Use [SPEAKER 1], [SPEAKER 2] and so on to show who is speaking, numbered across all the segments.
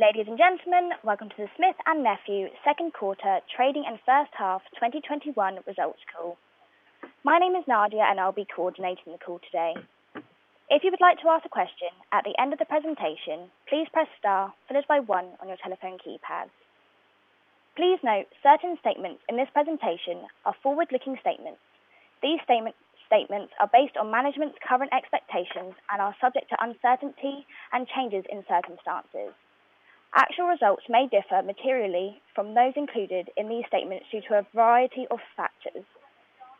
[SPEAKER 1] Ladies and gentlemen, welcome to the Smith+Nephew second quarter trading and first-half 2021 results call. My name is Nadia, and I'll be coordinating the call today. If you would like to ask a question at the end of the presentation, please press star followed by one on your telephone keypad. Please note, certain statements in this presentation are forward-looking statements. These statements are based on management's current expectations and are subject to uncertainty and changes in circumstances. Actual results may differ materially from those included in these statements due to a variety of factors.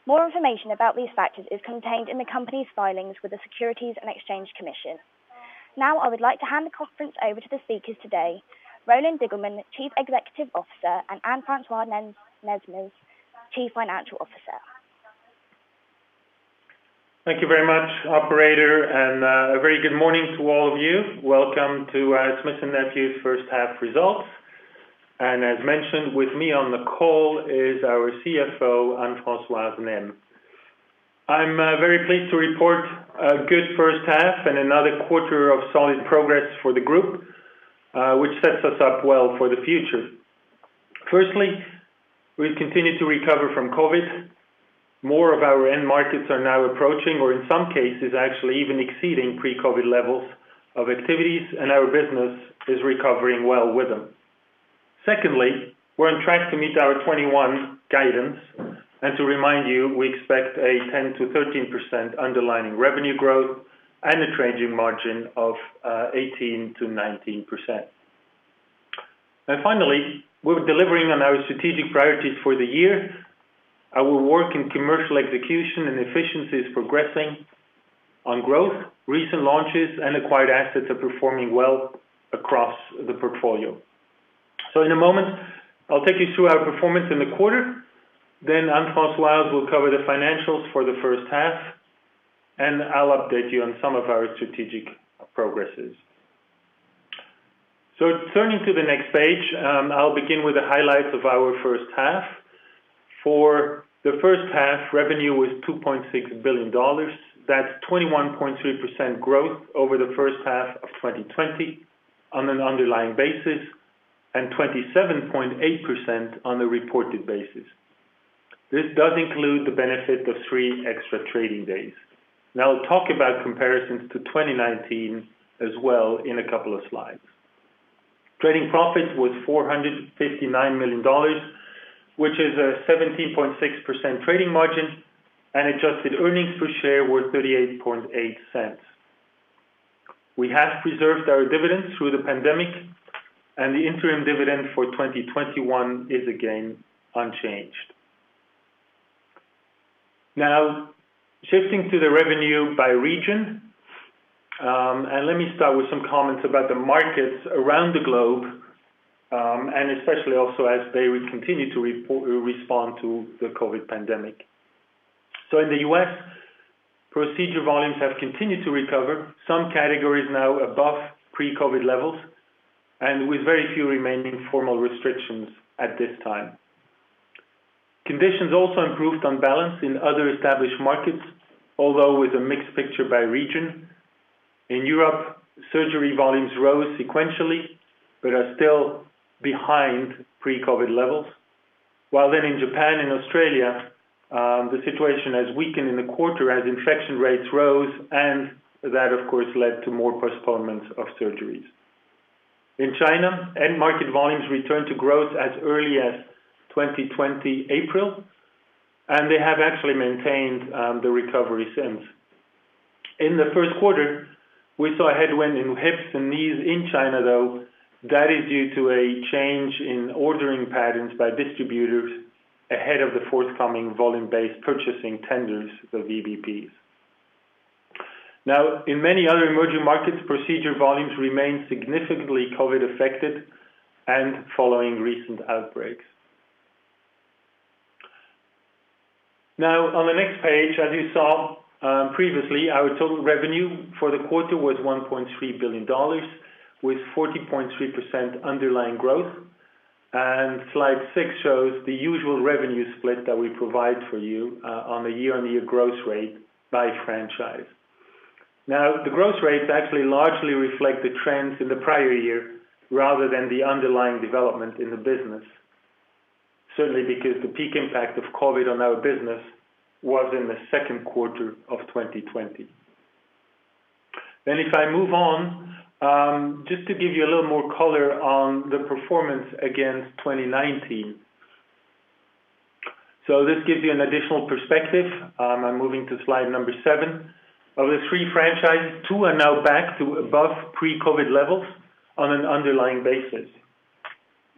[SPEAKER 1] More information about these factors is contained in the company's filings with the Securities and Exchange Commission. I would like to hand the conference over to the speakers today, Roland Diggelmann, Chief Executive Officer, and Anne-Francoise Nesmes, Chief Financial Officer.
[SPEAKER 2] Thank you very much, operator. A very good morning to all of you. Welcome to Smith+Nephew's first half results. As mentioned, with me on the call is our CFO, Anne-Francoise Nesmes. I'm very pleased to report a good first half and another quarter of solid progress for the group, which sets us up well for the future. Firstly, we continue to recover from COVID. More of our end markets are now approaching, or in some cases actually even exceeding pre-COVID levels of activities, and our business is recovering well with them. Secondly, we're on track to meet our 2021 guidance. To remind you, we expect a 10%-13% underlying revenue growth and a trading margin of 18%-19%. Finally, we're delivering on our strategic priorities for the year. Our work in commercial execution and efficiency is progressing on growth. Recent launches and acquired assets are performing well across the portfolio. In a moment, I'll take you through our performance in the quarter, then Anne-Francoise will cover the financials for the first half, and I'll update you on some of our strategic progresses. Turning to the next page, I'll begin with the highlights of our first half. For the first half, revenue was $2.6 billion. That's 21.3% growth over the first half of 2020 on an underlying basis, and 27.8% on a reported basis. This does include the benefit of three extra trading days. Now, I'll talk about comparisons to 2019 as well in a couple of slides. Trading profit was $ 459 million, which is a 17.6% trading margin, and adjusted earnings per share were $ 0.388. We have preserved our dividends through the pandemic, and the interim dividend for 2021 is again unchanged. Shifting to the revenue by region. Let me start with some comments about the markets around the globe, and especially also as they would continue to respond to the COVID pandemic. In the U.S., procedure volumes have continued to recover. Some categories now above pre-COVID levels and with very few remaining formal restrictions at this time. Conditions also improved on balance in other established markets, although with a mixed picture by region. In Europe, surgery volumes rose sequentially but are still behind pre-COVID levels. In Japan and Australia, the situation has weakened in the quarter as infection rates rose, and that of course led to more postponements of surgeries. In China, end market volumes returned to growth as early as 2020 April, and they have actually maintained the recovery since. In the first quarter, we saw a headwind in hips and knees in China, though. That is due to a change in ordering patterns by distributors ahead of the forthcoming volume-based purchasing tenders, the VBPs. In many other emerging markets, procedure volumes remain significantly COVID-affected and following recent outbreaks. On the next page, as you saw previously, our total revenue for the quarter was $1.3 billion, with 40.3% underlying growth. Slide six shows the usual revenue split that we provide for you on a year-over-year growth rate by franchise. The growth rates actually largely reflect the trends in the prior year rather than the underlying development in the business. Certainly because the peak impact of COVID on our business was in the second quarter of 2020. If I move on, just to give you a little more color on the performance against 2019. This gives you an additional perspective. I'm moving to slide number seven. Of the 3 franchises, 2 are now back to above pre-COVID levels on an underlying basis.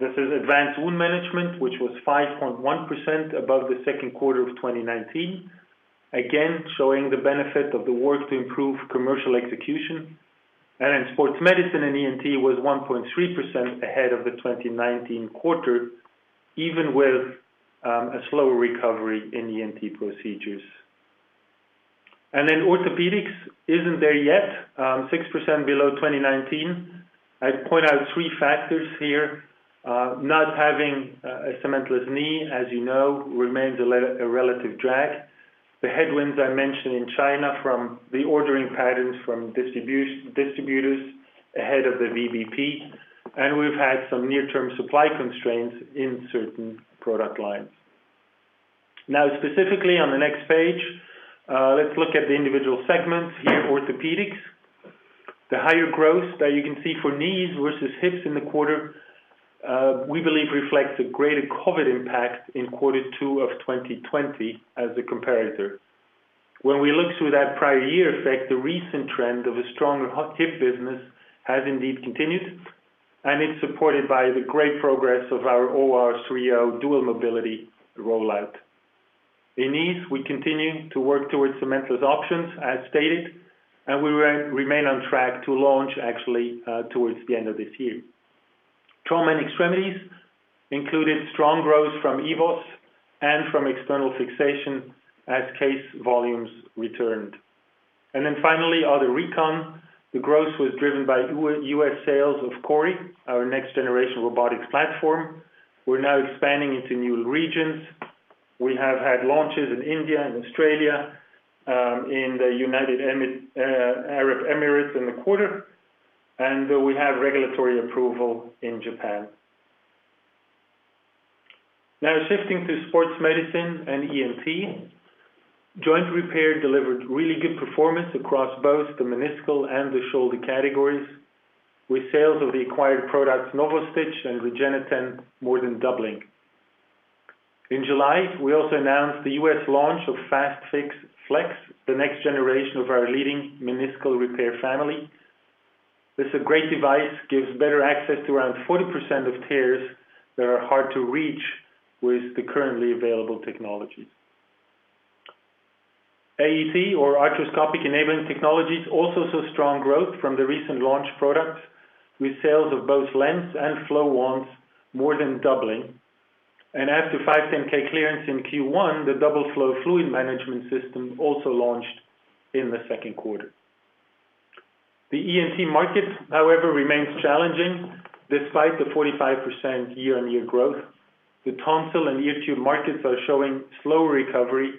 [SPEAKER 2] This is Advanced Wound Management, which was 5.1% above the second quarter of 2019, again, showing the benefit of the work to improve commercial execution. Sports Medicine & ENT was 1.3% ahead of the 2019 quarter, even with a slower recovery in ENT procedures. Orthopedics isn't there yet, 6% below 2019. I'd point out three factors here. Not having a cementless knee, as you know, remains a relative drag. The headwinds I mentioned in China from the ordering patterns from distributors ahead of the VBP, and we've had some near-term supply constraints in certain product lines. Specifically on the next page, let's look at the individual segments. Here, Orthopedics. The higher growth that you can see for knees versus hips in the quarter, we believe reflects a greater COVID impact in quarter two of 2020 as a comparator. When we look through that prior year effect, the recent trend of a strong hip business has indeed continued, and it's supported by the great progress of our OR3O Dual Mobility rollout. In knees, we continue to work towards the cementless options as stated, and we remain on track to launch actually towards the end of this year. Trauma and extremities included strong growth from EVOS and from external fixation as case volumes returned. Finally, Other Recon. The growth was driven by U.S. sales of CORI, our next generation robotics platform. We're now expanding into new regions. We have had launches in India and Australia, in the United Arab Emirates in the quarter, and we have regulatory approval in Japan. Shifting to Sports Medicine & ENT. Joint repair delivered really good performance across both the meniscal and the shoulder categories, with sales of the acquired products, NOVOSTITCH and REGENETEN, more than doubling. In July, we also announced the U.S. launch of FAST-FIX FLEX, the next generation of our leading meniscal repair family. This is a great device, gives better access to around 40% of tears that are hard to reach with the currently available technology. AET or Arthroscopic Enabling Technologies also saw strong growth from the recent launch products, with sales of both LENS and FLOW wands more than doubling. After 510(k) clearance in Q1, the DOUBLEFLO Fluid Management System also launched in the second quarter. The ENT market, however, remains challenging despite the 45% year-on-year growth. The tonsil and ear tube markets are showing slow recovery,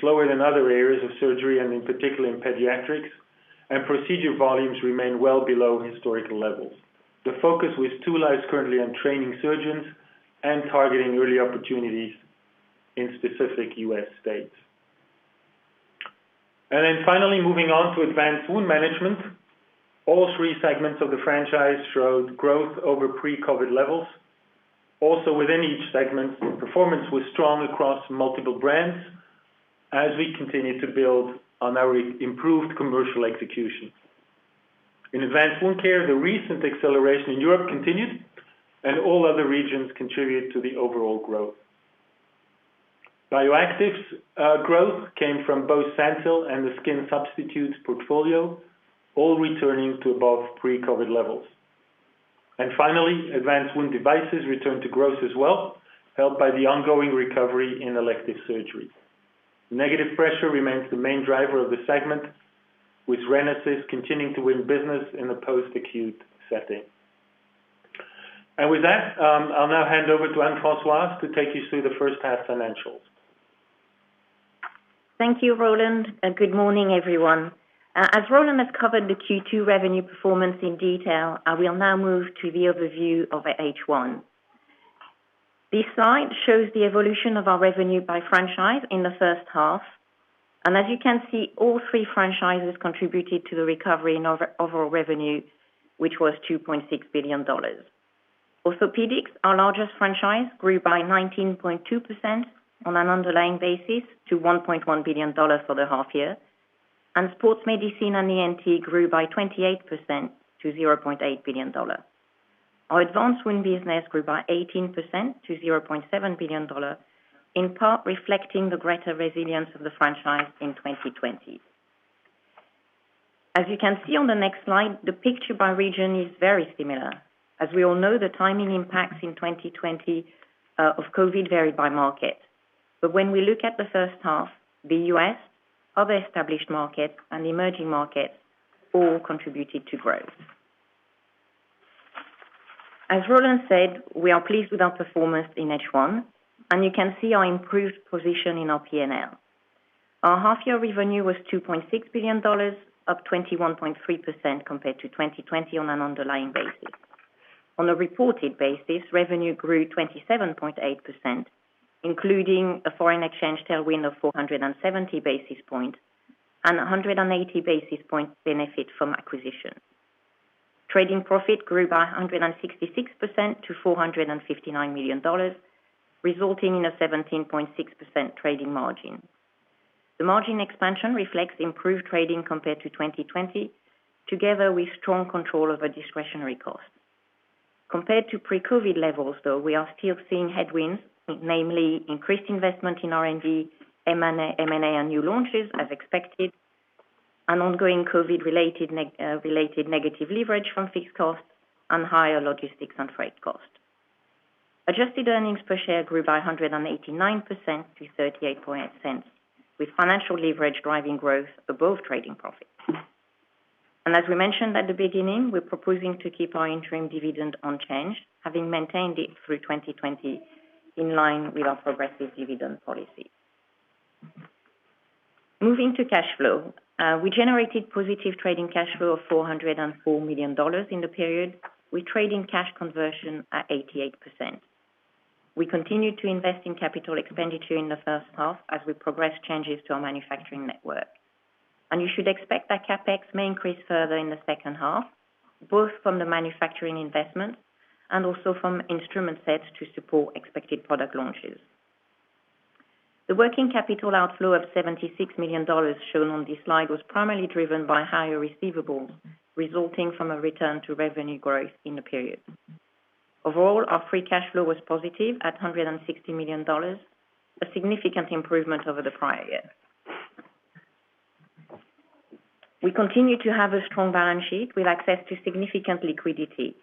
[SPEAKER 2] slower than other areas of surgery and in particular in pediatrics, and procedure volumes remain well below historical levels. The focus with Tula is currently on training surgeons and targeting early opportunities in specific U.S. states. Finally moving on to Advanced Wound Management. All 3 segments of the franchise showed growth over pre-COVID levels. Within each segment, performance was strong across multiple brands as we continue to build on our improved commercial execution. In Advanced Wound Care, the recent acceleration in Europe continued, and all other regions contribute to the overall growth. Bioactives growth came from both SANTYL and the skin substitutes portfolio, all returning to above pre-COVID levels. Finally, Advanced Wound Management returned to growth as well, helped by the ongoing recovery in elective surgery. Negative pressure remains the main driver of the segment, with RENASYS continuing to win business in a post-acute setting. With that, I'll now hand over to Anne-Francoise to take you through the first half financials.
[SPEAKER 3] Thank you, Roland, and good morning, everyone. As Roland has covered the Q2 revenue performance in detail, I will now move to the overview of H1. This slide shows the evolution of our revenue by franchise in the first half, and as you can see, all three franchises contributed to the recovery in overall revenue, which was $2.6 billion. Orthopedics, our largest franchise, grew by 19.2% on an underlying basis to $1.1 billion for the half year. Sports Medicine & ENT grew by 28% to $0.8 billion. Our Advanced Wound Management business grew by 18% to $0.7 billion, in part reflecting the greater resilience of the franchise in 2020. As you can see on the next slide, the picture by region is very similar. As we all know, the timing impacts in 2020 of COVID varied by market. When we look at the first half, the U.S., other established markets, and emerging markets all contributed to growth. As Roland said, we are pleased with our performance in H1, and you can see our improved position in our P&L. Our half-year revenue was $2.6 billion, up 21.3% compared to 2020 on an underlying basis. On a reported basis, revenue grew 27.8%, including a foreign exchange tailwind of 470 basis points and 180 basis points benefit from acquisition. Trading profit grew by 166% to $459 million, resulting in a 17.6% trading margin. The margin expansion reflects improved trading compared to 2020, together with strong control over discretionary costs. Compared to pre-COVID levels, though, we are still seeing headwinds, namely increased investment in R&D, M&A, and new launches as expected, and ongoing COVID-related negative leverage from fixed costs and higher logistics and freight costs. Adjusted earnings per share grew by 189% to $0.388, with financial leverage driving growth above trading profits. As we mentioned at the beginning, we're proposing to keep our interim dividend unchanged, having maintained it through 2020, in line with our progressive dividend policy. Moving to cash flow. We generated positive trading cash flow of $404 million in the period, with trading cash conversion at 88%. We continued to invest in capital expenditure in the first half as we progressed changes to our manufacturing network. You should expect that CapEx may increase further in the second half, both from the manufacturing investment and also from instrument sets to support expected product launches. The working capital outflow of $76 million shown on this slide was primarily driven by higher receivables, resulting from a return to revenue growth in the period. Overall, our free cash flow was positive at $160 million, a significant improvement over the prior year. We continue to have a strong balance sheet with access to significant liquidity.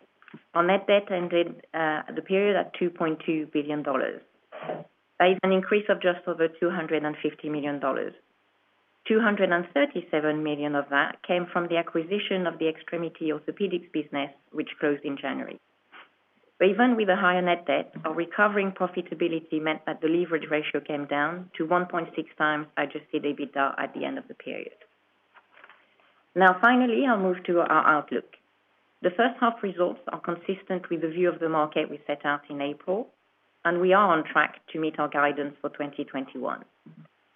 [SPEAKER 3] Our net debt ended the period at $2.2 billion. That is an increase of just over $250 million. $237 million of that came from the acquisition of the extremity orthopaedics business, which closed in January. Even with a higher net debt, our recovering profitability meant that the leverage ratio came down to 1.6x adjusted EBITDA at the end of the period. Finally, I'll move to our outlook. The first half results are consistent with the view of the market we set out in April, and we are on track to meet our guidance for 2021.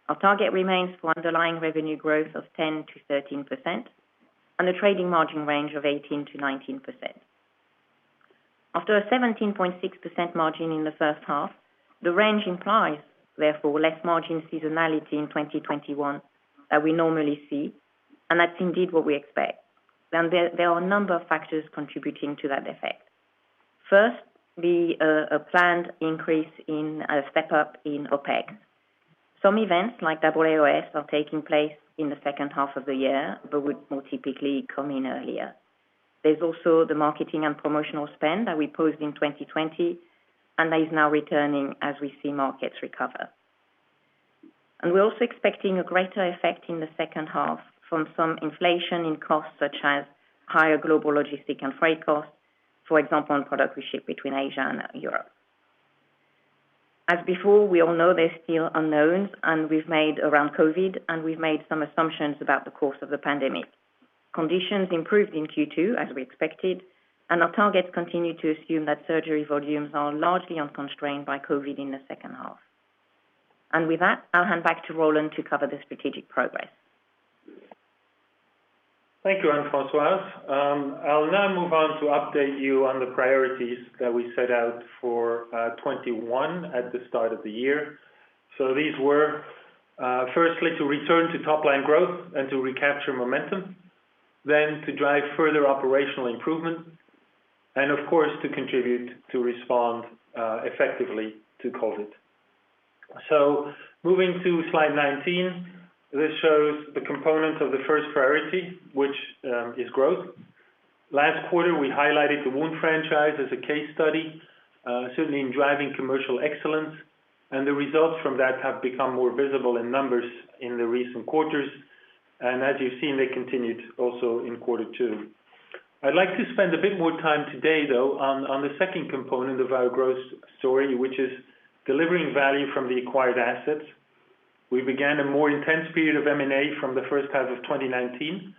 [SPEAKER 3] Our target remains for underlying revenue growth of 10% to 13% and a trading margin range of 18% to 19%. After a 17.6% margin in the first half, the range implies, therefore, less margin seasonality in 2021 that we normally see, and that's indeed what we expect. There are a number of factors contributing to that effect. First, a planned increase in a step-up in OPEX. Some events, like AAOS, are taking place in the second half of the year, but would more typically come in earlier. There's also the marketing and promotional spend that we paused in 2020 and that is now returning as we see markets recover. We're also expecting a greater effect in the second half from some inflation in costs such as higher global logistic and freight costs, for example, on product we ship between Asia and Europe. As before, we all know there's still unknowns around COVID, and we've made some assumptions about the course of the pandemic. Conditions improved in Q2, as we expected, and our targets continue to assume that surgery volumes are largely unconstrained by COVID in the second half. With that, I'll hand back to Roland to cover the strategic progress.
[SPEAKER 2] Thank you, Anne-Francoise. I'll now move on to update you on the priorities that we set out for 2021 at the start of the year. These were, firstly, to return to top-line growth and to recapture momentum, then to drive further operational improvement, and of course, to contribute to respond effectively to COVID. Moving to slide 19, this shows the component of the first priority, which is growth. Last quarter, we highlighted the Wound franchise as a case study, certainly in driving commercial excellence, and the results from that have become more visible in numbers in the recent quarters. As you've seen, they continued also in quarter two. I'd like to spend a bit more time today, though, on the second component of our growth story, which is delivering value from the acquired assets. We began a more intense period of M&A from the first half of 2019,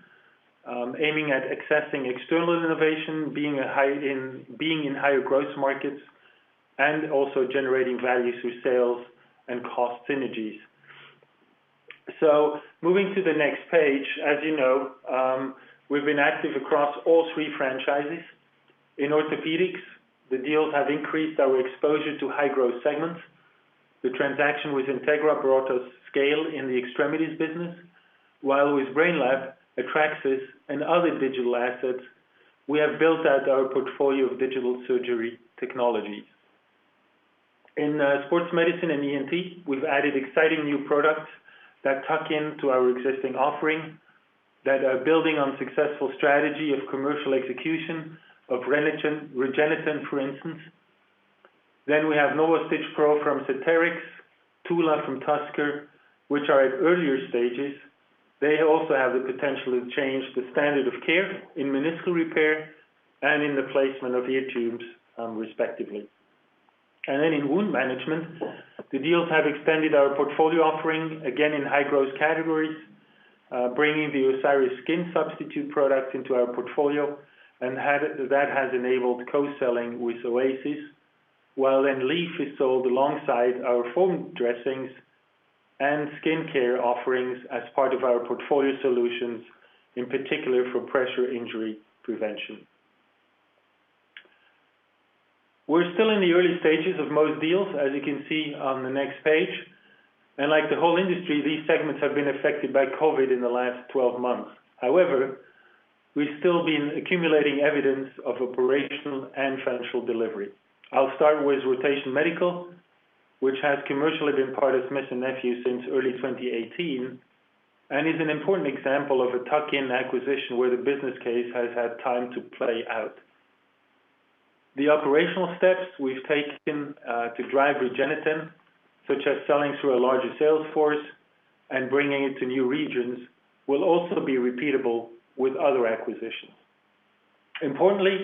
[SPEAKER 2] aiming at accessing external innovation, being in higher growth markets, and also generating value through sales and cost synergies. Moving to the next page, as you know, we've been active across all three franchises. In orthopedics, the deals have increased our exposure to high-growth segments. The transaction with Integra brought us scale in the extremities business, while with Brainlab, Atracsys, and other digital assets, we have built out our portfolio of digital surgery technologies. In Sports Medicine & ENT, we've added exciting new products that tuck in to our existing offering that are building on successful strategy of commercial execution of REGENETEN, for instance. We have NOVOSTITCH PRO from Ceterix, Tula from Tusker, which are at earlier stages. They also have the potential to change the standard of care in meniscal repair and in the placement of ear tubes, respectively. In wound management, the deals have expanded our portfolio offering, again in high-growth categories, bringing the Osiris skin substitute product into our portfolio, and that has enabled co-selling with OASIS, while then LEAF is sold alongside our foam dressings and skincare offerings as part of our portfolio solutions, in particular for pressure injury prevention. We're still in the early stages of most deals, as you can see on the next page. Like the whole industry, these segments have been affected by COVID in the last 12 months. However, we've still been accumulating evidence of operational and financial delivery. I'll start with Rotation Medical, which has commercially been part of Smith & Nephew since early 2018 and is an important example of a tuck-in acquisition where the business case has had time to play out. The operational steps we've taken to drive Regeneten, such as selling through a larger sales force and bringing it to new regions, will also be repeatable with other acquisitions. Importantly,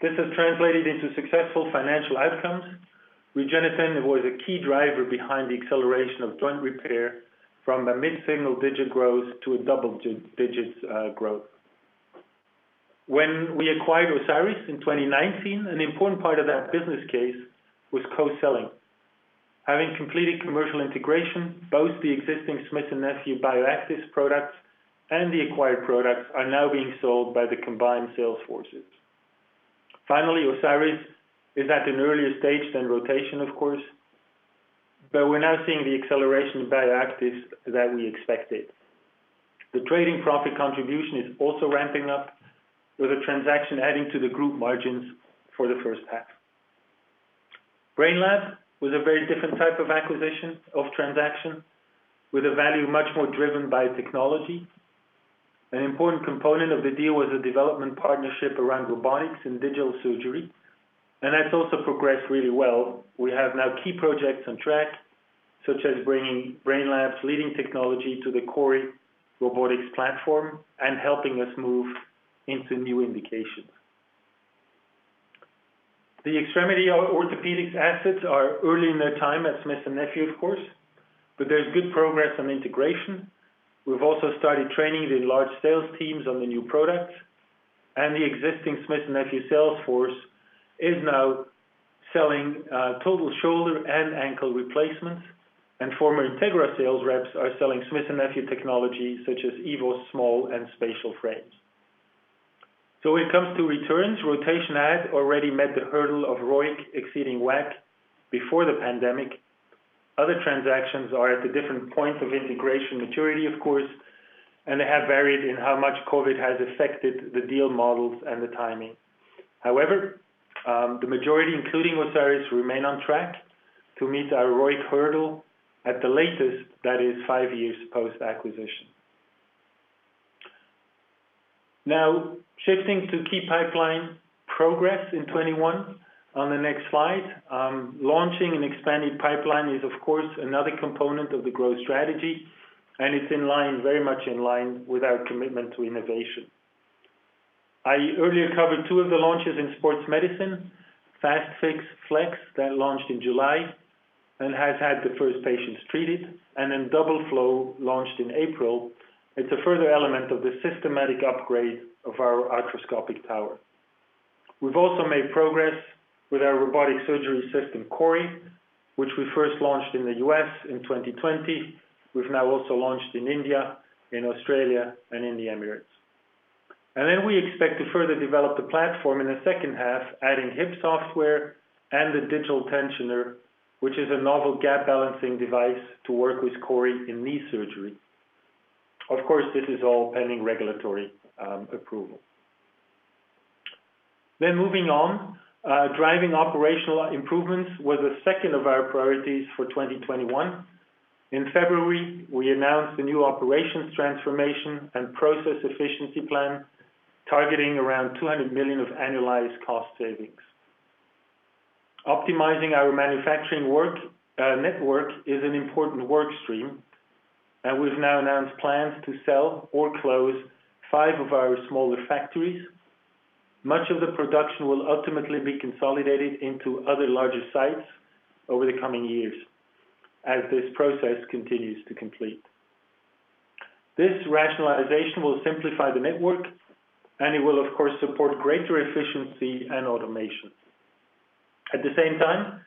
[SPEAKER 2] this has translated into successful financial outcomes. Regeneten was a key driver behind the acceleration of joint repair from a mid-single digit growth to a double two digits growth. When we acquired Osiris in 2019, an important part of that business case was co-selling. Having completed commercial integration, both the existing Smith & Nephew BioActive products and the acquired products are now being sold by the combined sales forces. Finally, Osiris is at an earlier stage than Rotation Medical, of course, but we're now seeing the acceleration of BioActive that we expected. The trading profit contribution is also ramping up with the transaction adding to the group margins for the first half. Brainlab was a very different type of acquisition of transaction with a value much more driven by technology. An important component of the deal was a development partnership around robotics and digital surgery, and that's also progressed really well. We have now key projects on track, such as bringing Brainlab's leading technology to the CORI robotics platform and helping us move into new indications. The extremity orthopedics assets are early in their time at Smith & Nephew, of course, but there's good progress on integration. We've also started training the large sales teams on the new products, and the existing Smith & Nephew sales force is now selling total shoulder and ankle replacements, and former Integra sales reps are selling Smith & Nephew technology such as EVOS SMALL and spatial frames. When it comes to returns, Rotation Medical had already met the hurdle of ROIC exceeding WACC before the pandemic. Other transactions are at a different point of integration maturity, of course, and they have varied in how much COVID has affected the deal models and the timing. However, the majority, including Osiris, remain on track to meet our ROIC hurdle at the latest, that is five years post-acquisition. Shifting to key pipeline progress in 2021 on the next slide. Launching an expanded pipeline is, of course, another component of the growth strategy, and it's in line, very much in line with our commitment to innovation. I earlier covered two of the launches in sports medicine, FAST-FIX FLEX that launched in July and has had the first patients treated, DOUBLEFLO launched in April. It's a further element of the systematic upgrade of our arthroscopic tower. We've also made progress with our robotic surgery system, CORI, which we first launched in the U.S. in 2020. We've now also launched in India, in Australia, and in the Emirates. We expect to further develop the platform in the second half, adding hip software and a digital tensioner, which is a novel gap balancing device to work with CORI in knee surgery. This is all pending regulatory approval. Moving on, driving operational improvements was a second of our priorities for 2021. In February, we announced the new operations transformation and process efficiency plan targeting around $200 million of annualized cost savings. Optimizing our manufacturing work network is an important work stream, and we've now announced plans to sell or close 5 of our smaller factories. Much of the production will ultimately be consolidated into other larger sites over the coming years as this process continues to complete. This rationalization will simplify the network, and it will, of course, support greater efficiency and automation. At the same time,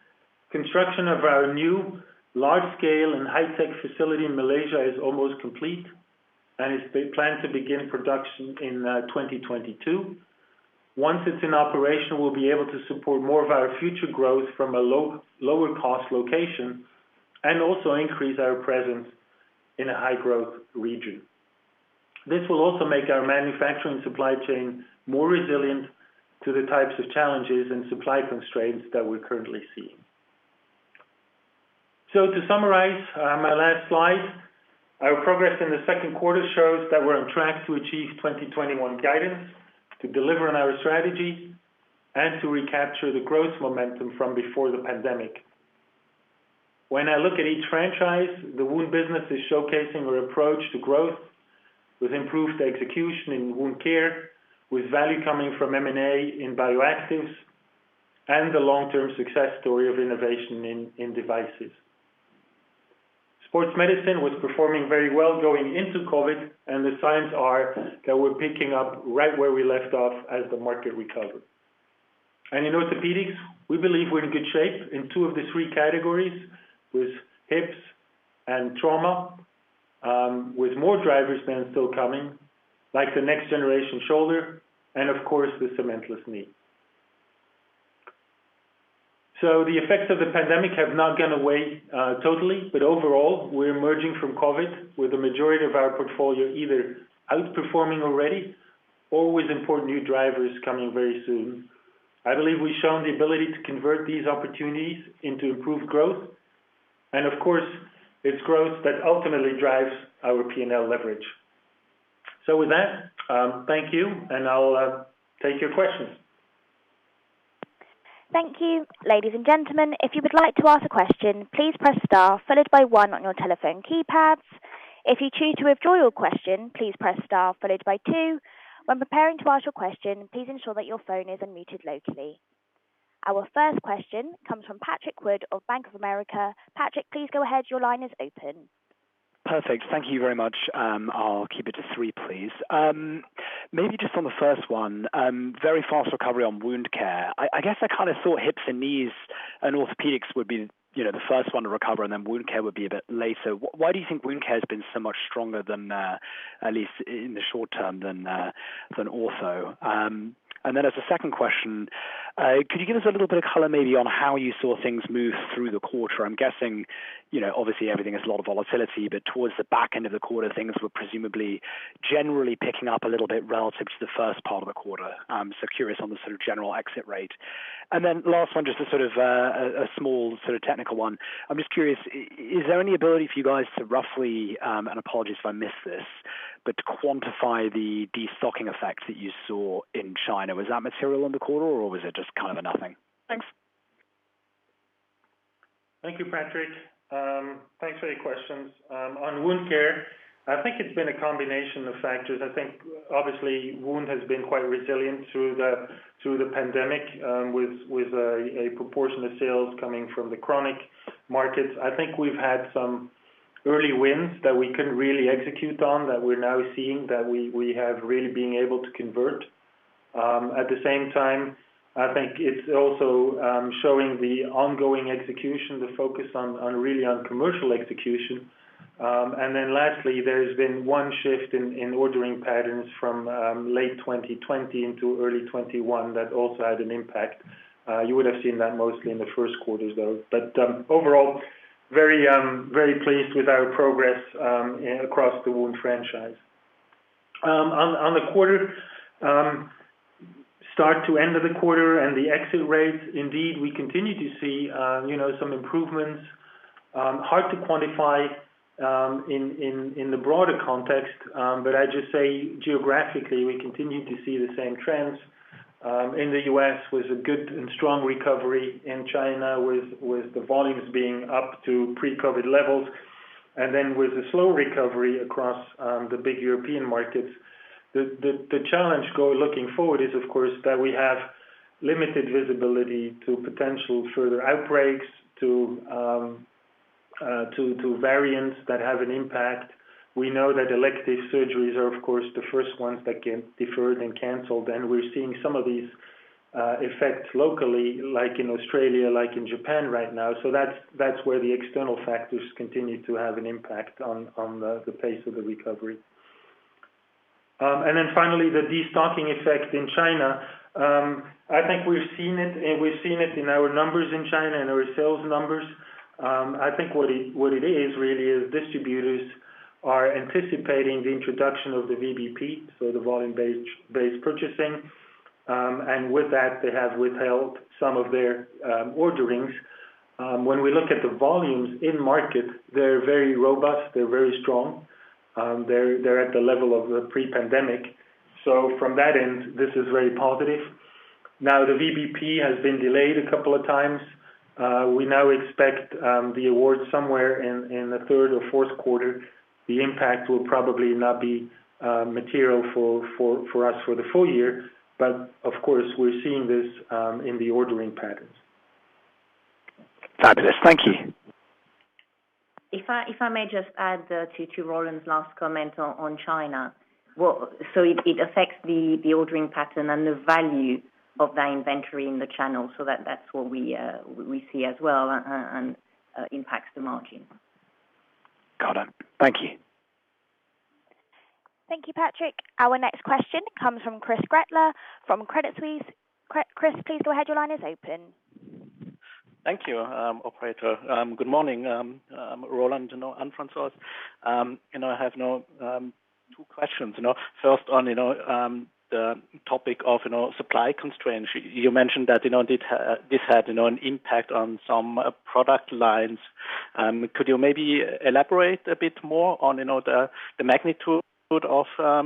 [SPEAKER 2] construction of our new large-scale and high-tech facility in Malaysia is almost complete and is planned to begin production in 2022. Once it's in operation, we'll be able to support more of our future growth from a lower cost location and also increase our presence in a high-growth region. This will also make our manufacturing supply chain more resilient to the types of challenges and supply constraints that we're currently seeing. To summarize my last slide, our progress in the second quarter shows that we're on track to achieve 2021 guidance to deliver on our strategy and to recapture the growth momentum from before the pandemic. When I look at each franchise, the Wound business is showcasing our approach to growth with improved execution in wound care, with value coming from M&A in BioActives, and the long-term success story of innovation in devices. Sports Medicine was performing very well going into COVID, the signs are that we're picking up right where we left off as the market recovers. In orthopedics, we believe we're in good shape in two of the three categories, with hips and trauma, with more drivers then still coming, like the next generation shoulder and, of course, the cementless knee. The effects of the pandemic have not gone away totally, but overall, we're emerging from COVID with the majority of our portfolio either outperforming already or with important new drivers coming very soon. I believe we've shown the ability to convert these opportunities into improved growth, and of course, it's growth that ultimately drives our P&L leverage. With that, thank you, and I'll take your questions.
[SPEAKER 1] Thank you. Ladies and gentlemen, if you would like to ask a question, please press star followed by one on your telephone keypads. If you choose to withdraw your question, please press star followed by two. When preparing to ask your question, please ensure that your phone is unmuted locally. Our first question comes from Patrick Wood of Bank of America. Patrick, please go ahead. Your line is open.
[SPEAKER 4] Perfect. Thank you very much. I'll keep it to three please. Maybe just on the one, very fast recovery on wound care. I guess I kind of thought hips and knees and orthopedics would be the one to recover and then wound care would be a bit later. Why do you think wound care has been so much stronger, at least in the short term, than ortho? As a second question, could you give us a little bit of color maybe on how you saw things move through the quarter? I'm guessing, obviously everything has a lot of volatility, towards the back end of the quarter, things were presumably generally picking up a little bit relative to the first part of the quarter. Curious on the sort of general exit rate. Last one, just a small sort of technical one. I'm just curious, is there any ability for you guys to roughly, and apologies if I missed this, but to quantify the de-stocking effects that you saw in China? Was that material in the quarter or was it just kind of a nothing? Thanks.
[SPEAKER 2] Thank you, Patrick. Thanks for your questions. On wound care, I think it's been a combination of factors. I think obviously wound has been quite resilient through the pandemic, with a proportion of sales coming from the chronic markets. I think we've had some early wins that we couldn't really execute on that we're now seeing that we have really been able to convert. At the same time, I think it's also showing the ongoing execution, the focus really on commercial execution. Lastly, there's been one shift in ordering patterns from late 2020 into early 2021 that also had an impact. You would've seen that mostly in the first quarters, though. Overall, very pleased with our progress across the wound franchise. On the quarter, start to end of the quarter and the exit rates, indeed, we continue to see some improvements. Hard to quantify in the broader context, but I'd just say geographically, we continue to see the same trends. In the U.S. was a good and strong recovery. In China, with the volumes being up to pre-COVID levels. With a slow recovery across the big European markets. The challenge looking forward is, of course, that we have limited visibility to potential further outbreaks, to variants that have an impact. We know that elective surgeries are, of course, the first ones that get deferred and canceled, and we're seeing some of these effects locally, like in Australia, like in Japan right now. That's where the external factors continue to have an impact on the pace of the recovery. Finally, the de-stocking effect in China. I think we've seen it, and we've seen it in our numbers in China and our sales numbers. I think what it is really is distributors are anticipating the introduction of the VBP, so the volume-based purchasing. With that, they have withheld some of their orderings. When we look at the volumes in market, they're very robust, they're very strong. They're at the level of the pre-pandemic. From that end, this is very positive. Now the VBP has been delayed a couple of times. We now expect the award somewhere in the third or fourth quarter. The impact will probably not be material for us for the full year. Of course, we're seeing this in the ordering patterns.
[SPEAKER 4] Fabulous. Thank you.
[SPEAKER 3] If I may just add to Roland's last comment on China. It affects the ordering pattern and the value of that inventory in the channel, so that's what we see as well and impacts the margin.
[SPEAKER 4] Got it. Thank you.
[SPEAKER 1] Thank you, Patrick. Our next question comes from Christoph Gretler from Credit Suisse. Chris, please go ahead. Your line is open.
[SPEAKER 5] Thank you, operator. Good morning, Roland and Anne-Francoise. I have two questions. First on the topic of supply constraints. You mentioned that this had an impact on some product lines. Could you maybe elaborate a bit more on the magnitude of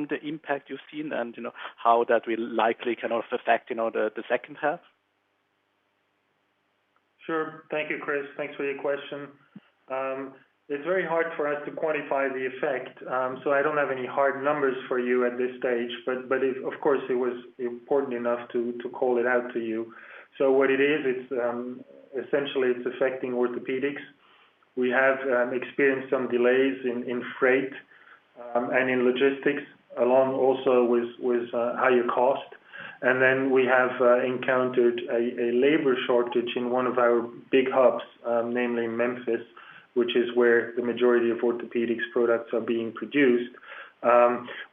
[SPEAKER 5] the impact you've seen and how that will likely kind of affect the second half?
[SPEAKER 2] Sure. Thank you, Chris. Thanks for your question. It is very hard for us to quantify the effect, so I don't have any hard numbers for you at this stage. Of course, it was important enough to call it out to you. What it is, essentially it's affecting orthopedics. We have experienced some delays in freight and in logistics, along also with higher cost. We have encountered a labor shortage in one of our big hubs, namely Memphis, which is where the majority of orthopedics products are being produced.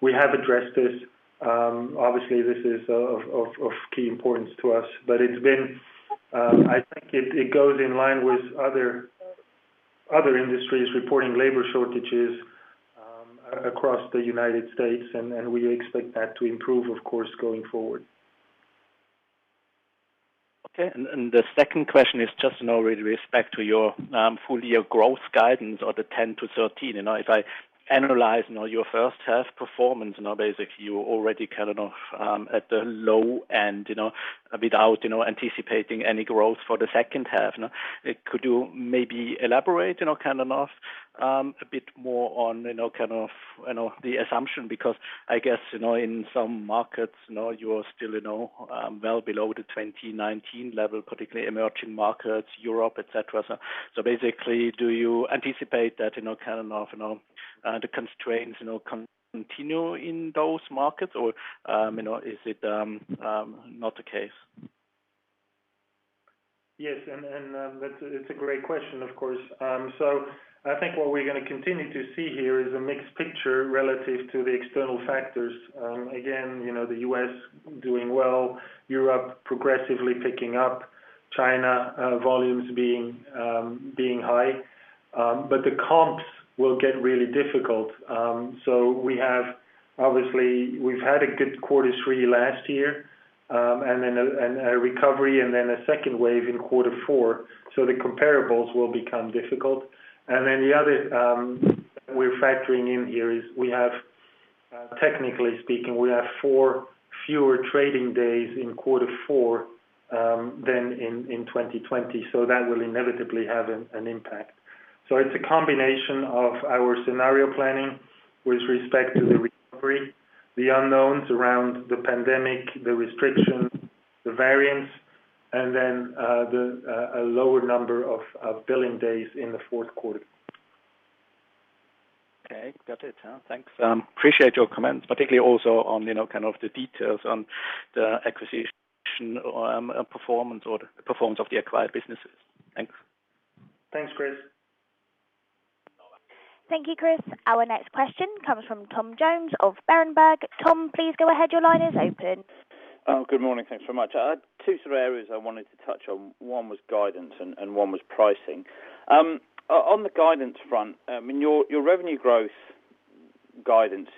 [SPEAKER 2] We have addressed this. Obviously, this is of key importance to us. I think it goes in line with other industries reporting labor shortages across the United States, and we expect that to improve, of course, going forward.
[SPEAKER 5] Okay. The second question is just with respect to your full-year growth guidance of the 10%-13%. If I analyze your first half performance, basically, you're already at the low end, a bit out, anticipating any growth for the second half. Could you maybe elaborate a bit more on the assumption? I guess in some markets you are still well below the 2019 level, particularly emerging markets, Europe, et cetera. Basically, do you anticipate that the constraints continue in those markets or is it not the case?
[SPEAKER 2] Yes. It's a great question, of course. I think what we're going to continue to see here is a mixed picture relative to the external factors. Again, the U.S. doing well, Europe progressively picking up, China volumes being high. The comps will get really difficult. Obviously, we've had a good quarter three last year, and a recovery and then a second wave in quarter four, so the comparables will become difficult. The other we're factoring in here is, technically speaking, we have four fewer trading days in quarter four than in 2020. That will inevitably have an impact. It's a combination of our scenario planning with respect to the recovery, the unknowns around the pandemic, the restrictions, the variants, and then a lower number of billing days in the fourth quarter.
[SPEAKER 5] Okay. Got it. Thanks. Appreciate your comments, particularly also on the kind of the details on the acquisition performance or the performance of the acquired businesses. Thanks.
[SPEAKER 2] Thanks, Chris.
[SPEAKER 1] Thank you, Chris. Our next question comes from Tom Jones of Berenberg. Tom, please go ahead. Your line is open.
[SPEAKER 6] Good morning. Thanks very much. I had two, three areas I wanted to touch on. one was guidance and two was pricing. The guidance front, your revenue growth guidance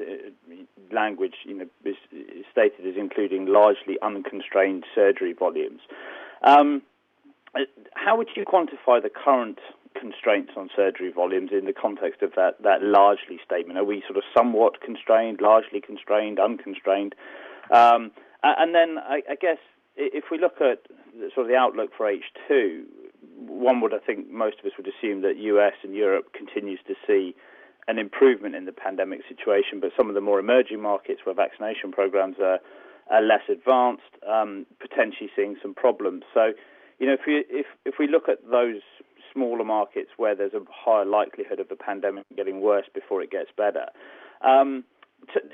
[SPEAKER 6] language is stated as including largely unconstrained surgery volumes. How would you quantify the current constraints on surgery volumes in the context of that "largely" statement? Are we sort of somewhat constrained, largely constrained, unconstrained? I guess, if we look at the outlook for H2, one would, I think most of us would assume that U.S. and Europe continues to see an improvement in the pandemic situation. Some of the more emerging markets where vaccination programs are less advanced, potentially seeing some problems. If we look at those smaller markets where there's a higher likelihood of the pandemic getting worse before it gets better,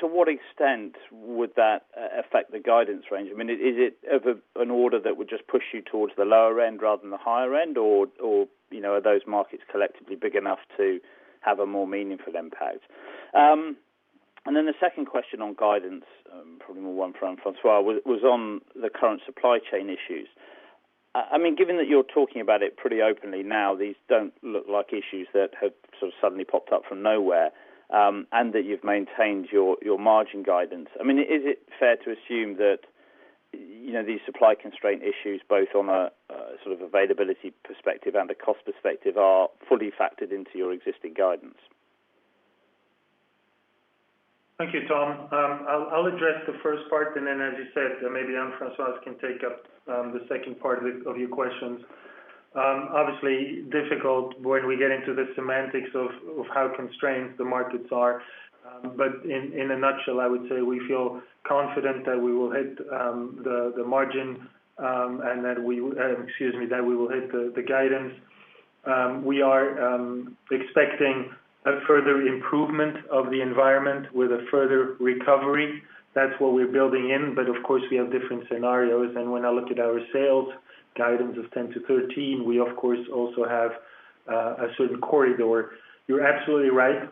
[SPEAKER 6] to what extent would that affect the guidance range? Is it of an order that would just push you towards the lower end rather than the higher end, or are those markets collectively big enough to have a more meaningful impact? The second question on guidance, probably more one for Anne-Francoise, was on the current supply chain issues. Given that you're talking about it pretty openly now, these don't look like issues that have suddenly popped up from nowhere, and that you've maintained your margin guidance. Is it fair to assume that these supply constraint issues, both on a sort of availability perspective and a cost perspective, are fully factored into your existing guidance?
[SPEAKER 2] Thank you, Tom. I'll address the first part. As you said, maybe Anne-Francoise can take up the second part of your questions. Obviously difficult when we get into the semantics of how constrained the markets are. In a nutshell, I would say we feel confident that we will hit the margin and that we will hit the guidance. We are expecting a further improvement of the environment with a further recovery. That's what we're building in. Of course, we have different scenarios. When I look at our sales guidance of 10 to 13, we of course also have a certain corridor. You're absolutely right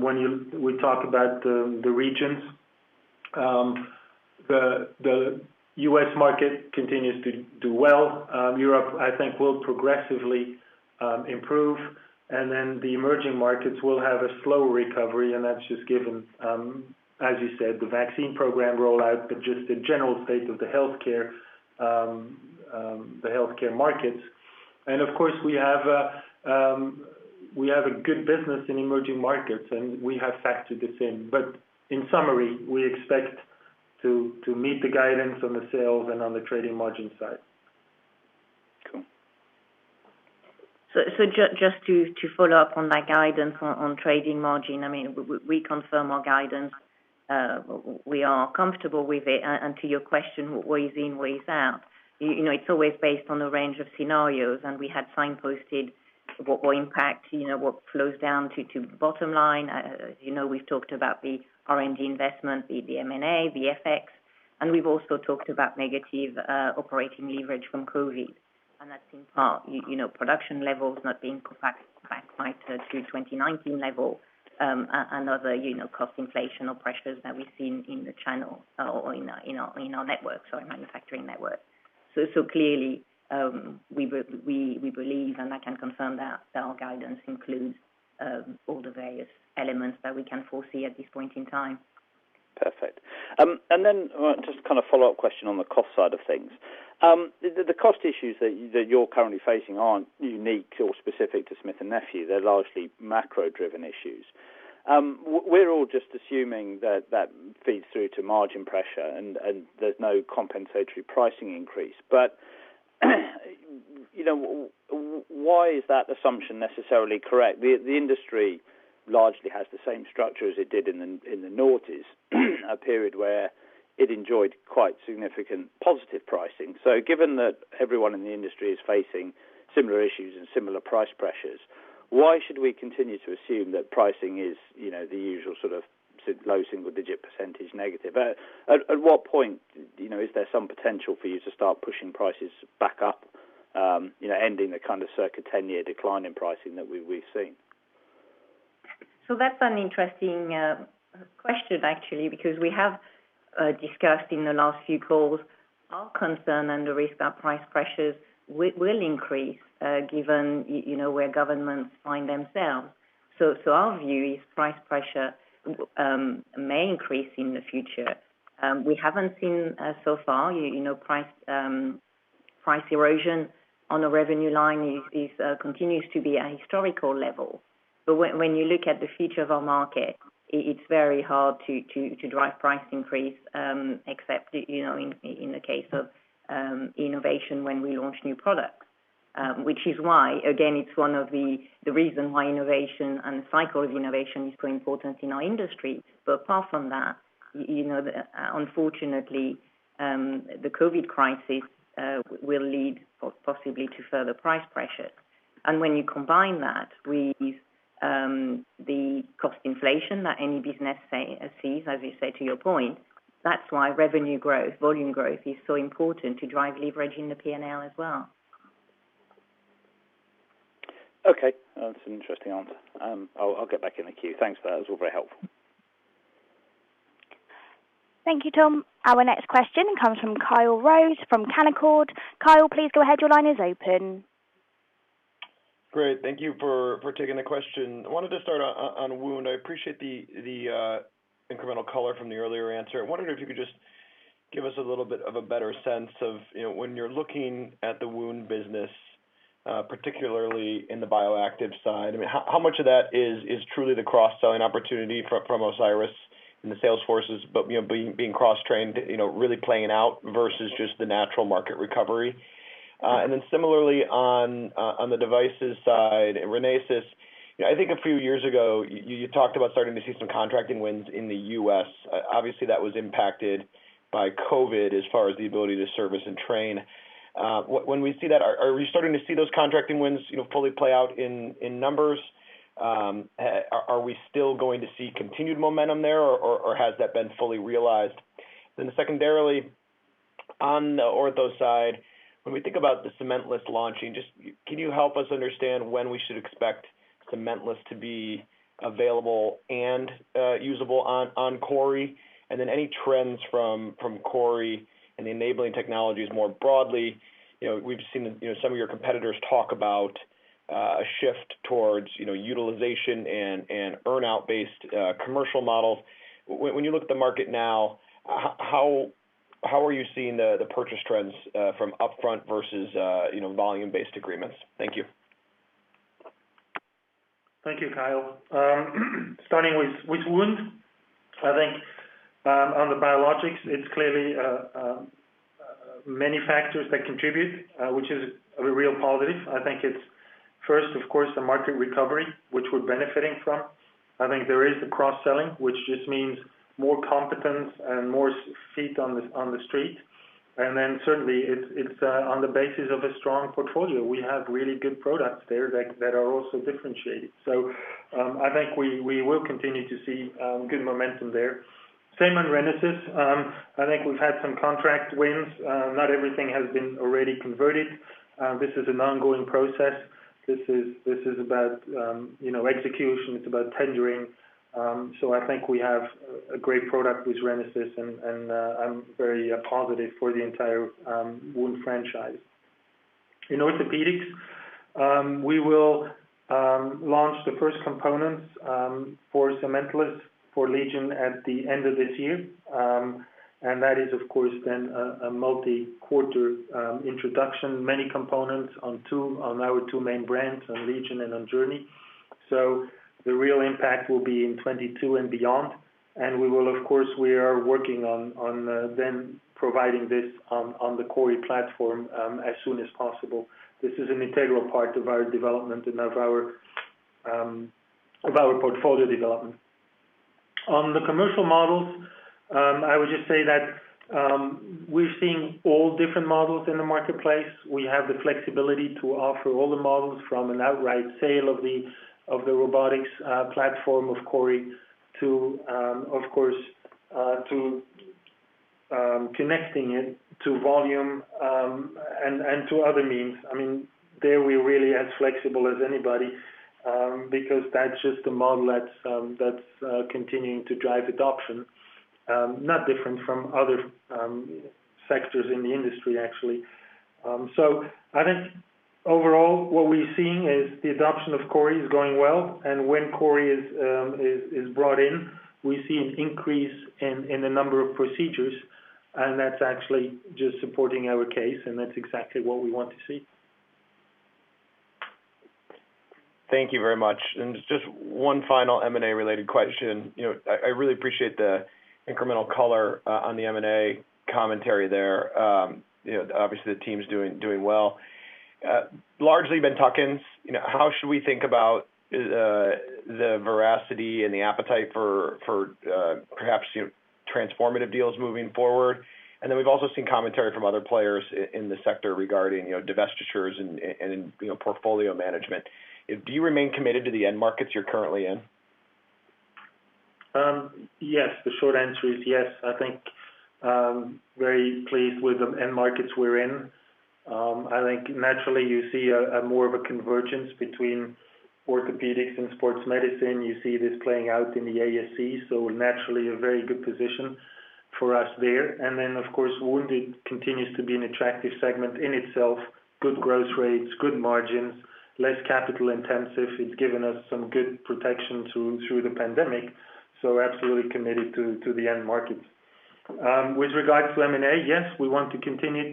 [SPEAKER 2] when we talk about the regions. The U.S. market continues to do well. Europe, I think, will progressively improve. The emerging markets will have a slow recovery. That's just given, as you said, the vaccine program rollout, but just the general state of the healthcare markets. Of course, we have a good business in emerging markets, and we have factored this in. In summary, we expect to meet the guidance on the sales and on the trading margin side.
[SPEAKER 6] Cool.
[SPEAKER 3] Just to follow up on that guidance on trading margin, we confirm our guidance. We are comfortable with it. To your question, what weighs in, weighs out. It is always based on a range of scenarios, and we had signposted what will impact, what flows down to the bottom line. As you know, we have talked about the R&D investment, the M&A, the FX, and we have also talked about negative operating leverage from COVID. That is in part, production levels not being quite back to 2019 level, and other cost inflation or pressures that we have seen in the channel or in our networks or our manufacturing network. Clearly, we believe, and I can confirm, that our guidance includes all the various elements that we can foresee at this point in time.
[SPEAKER 6] Perfect. Just a follow-up question on the cost side of things. The cost issues that you're currently facing aren't unique or specific to Smith + Nephew. They're largely macro-driven issues. We're all just assuming that feeds through to margin pressure and there's no compensatory pricing increase. Why is that assumption necessarily correct? The industry largely has the same structure as it did in the noughties, a period where it enjoyed quite significant positive pricing. Given that everyone in the industry is facing similar issues and similar price pressures, why should we continue to assume that pricing is the usual sort of low single-digit percentage negative? At what point is there some potential for you to start pushing prices back up, ending the kind of circa 10-year decline in pricing that we've seen?
[SPEAKER 3] That's an interesting question actually, because we have discussed in the last few calls our concern and the risk that price pressures will increase, given where governments find themselves. Our view is price pressure may increase in the future. We haven't seen so far price erosion on the revenue line, continues to be at historical level. When you look at the future of our market, it's very hard to drive price increase, except in the case of innovation when we launch new products. Which is why, again, it's one of the reason why innovation and cycle of innovation is so important in our industry. Apart from that, unfortunately, the COVID crisis will lead possibly to further price pressures. When you combine that with the cost inflation that any business sees, as you say to your point, that's why revenue growth, volume growth is so important to drive leverage in the P&L as well.
[SPEAKER 6] Okay. That's an interesting answer. I'll get back in the queue. Thanks for that. It was all very helpful.
[SPEAKER 1] Thank you, Tom. Our next question comes from Kyle Rose from Canaccord. Kyle, please go ahead. Your line is open.
[SPEAKER 7] Great. Thank you for taking the question. I wanted to start on wound. I appreciate the incremental color from the earlier answer. I wondered if you could just give us a little bit of a better sense of when you're looking at the wound business, particularly in the bioactive side, how much of that is truly the cross-selling opportunity from Osiris and the sales forces, being cross-trained, really playing out versus just the natural market recovery? Similarly on the devices side, RENASYS, I think a few years ago, you talked about starting to see some contracting wins in the U.S. Obviously, that was impacted by COVID as far as the ability to service and train. Are we starting to see those contracting wins fully play out in numbers? Are we still going to see continued momentum there, or has that been fully realized? Secondarily, on the ortho side, when we think about the cementless launching, just can you help us understand when we should expect cementless to be available and usable on CORI? Any trends from CORI and enabling technologies more broadly, we've seen some of your competitors talk about a shift towards utilization and earn-out based commercial models. When you look at the market now, how are you seeing the purchase trends from upfront versus volume-based agreements? Thank you.
[SPEAKER 2] Thank you, Kyle. Starting with Wound, I think on the biologics, it's clearly many factors that contribute, which is a real positive. I think it's first, of course, the market recovery, which we're benefiting from. I think there is the cross-selling, which just means more competence and more feet on the street. Certainly it's on the basis of a strong portfolio. We have really good products there that are also differentiated. I think we will continue to see good momentum there. Same on RENASYS. I think we've had some contract wins. Not everything has been already converted. This is an ongoing process. This is about execution. It's about tendering. I think we have a great product with RENASYS and I'm very positive for the entire wound franchise. In orthopedics, we will launch the first components for cementless for LEGION at the end of this year. That is, of course, then a multi-quarter introduction, many components on our two main brands, on LEGION and on JOURNEY II. The real impact will be in 2022 and beyond. We will, of course, we are working on then providing this on the CORI platform as soon as possible. This is an integral part of our development and of our portfolio development. On the commercial models, I would just say that we're seeing all different models in the marketplace. We have the flexibility to offer all the models from an outright sale of the robotics platform of CORI to, of course, to connecting it to volume, and to other means. There we're really as flexible as anybody, because that's just a model that's continuing to drive adoption. Not different from other sectors in the industry, actually. I think overall what we're seeing is the adoption of CORI is going well, and when CORI is brought in, we see an increase in the number of procedures, and that's actually just supporting our case, and that's exactly what we want to see.
[SPEAKER 7] Thank you very much. Just one final M&A related question. I really appreciate the incremental color on the M&A commentary there. Obviously, the team's doing well. Largely been tuck-ins. How should we think about the veracity and the appetite for perhaps transformative deals moving forward? We've also seen commentary from other players in the sector regarding divestitures and in portfolio management. Do you remain committed to the end markets you're currently in?
[SPEAKER 2] Yes. The short answer is yes. I think very pleased with the end markets we're in. I think naturally you see more of a convergence between orthopedics and Sports Medicine. You see this playing out in the ASC, so naturally a very good position for us there. Of course, wound continues to be an attractive segment in itself. Good growth rates, good margins, less capital intensive. It's given us some good protection through the pandemic, so absolutely committed to the end markets. With regards to M&A, yes, we want to continue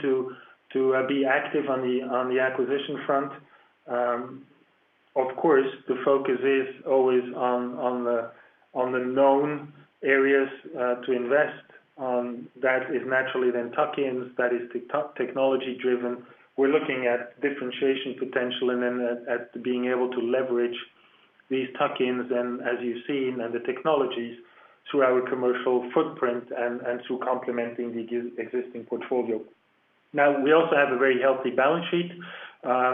[SPEAKER 2] to be active on the acquisition front. Of course, the focus is always on the known areas, to invest. That is naturally then tuck-ins, that is technology driven. We're looking at differentiation potential and then at being able to leverage these tuck-ins and as you've seen, and the technologies through our commercial footprint and through complementing the existing portfolio. Now, we also have a very healthy balance sheet,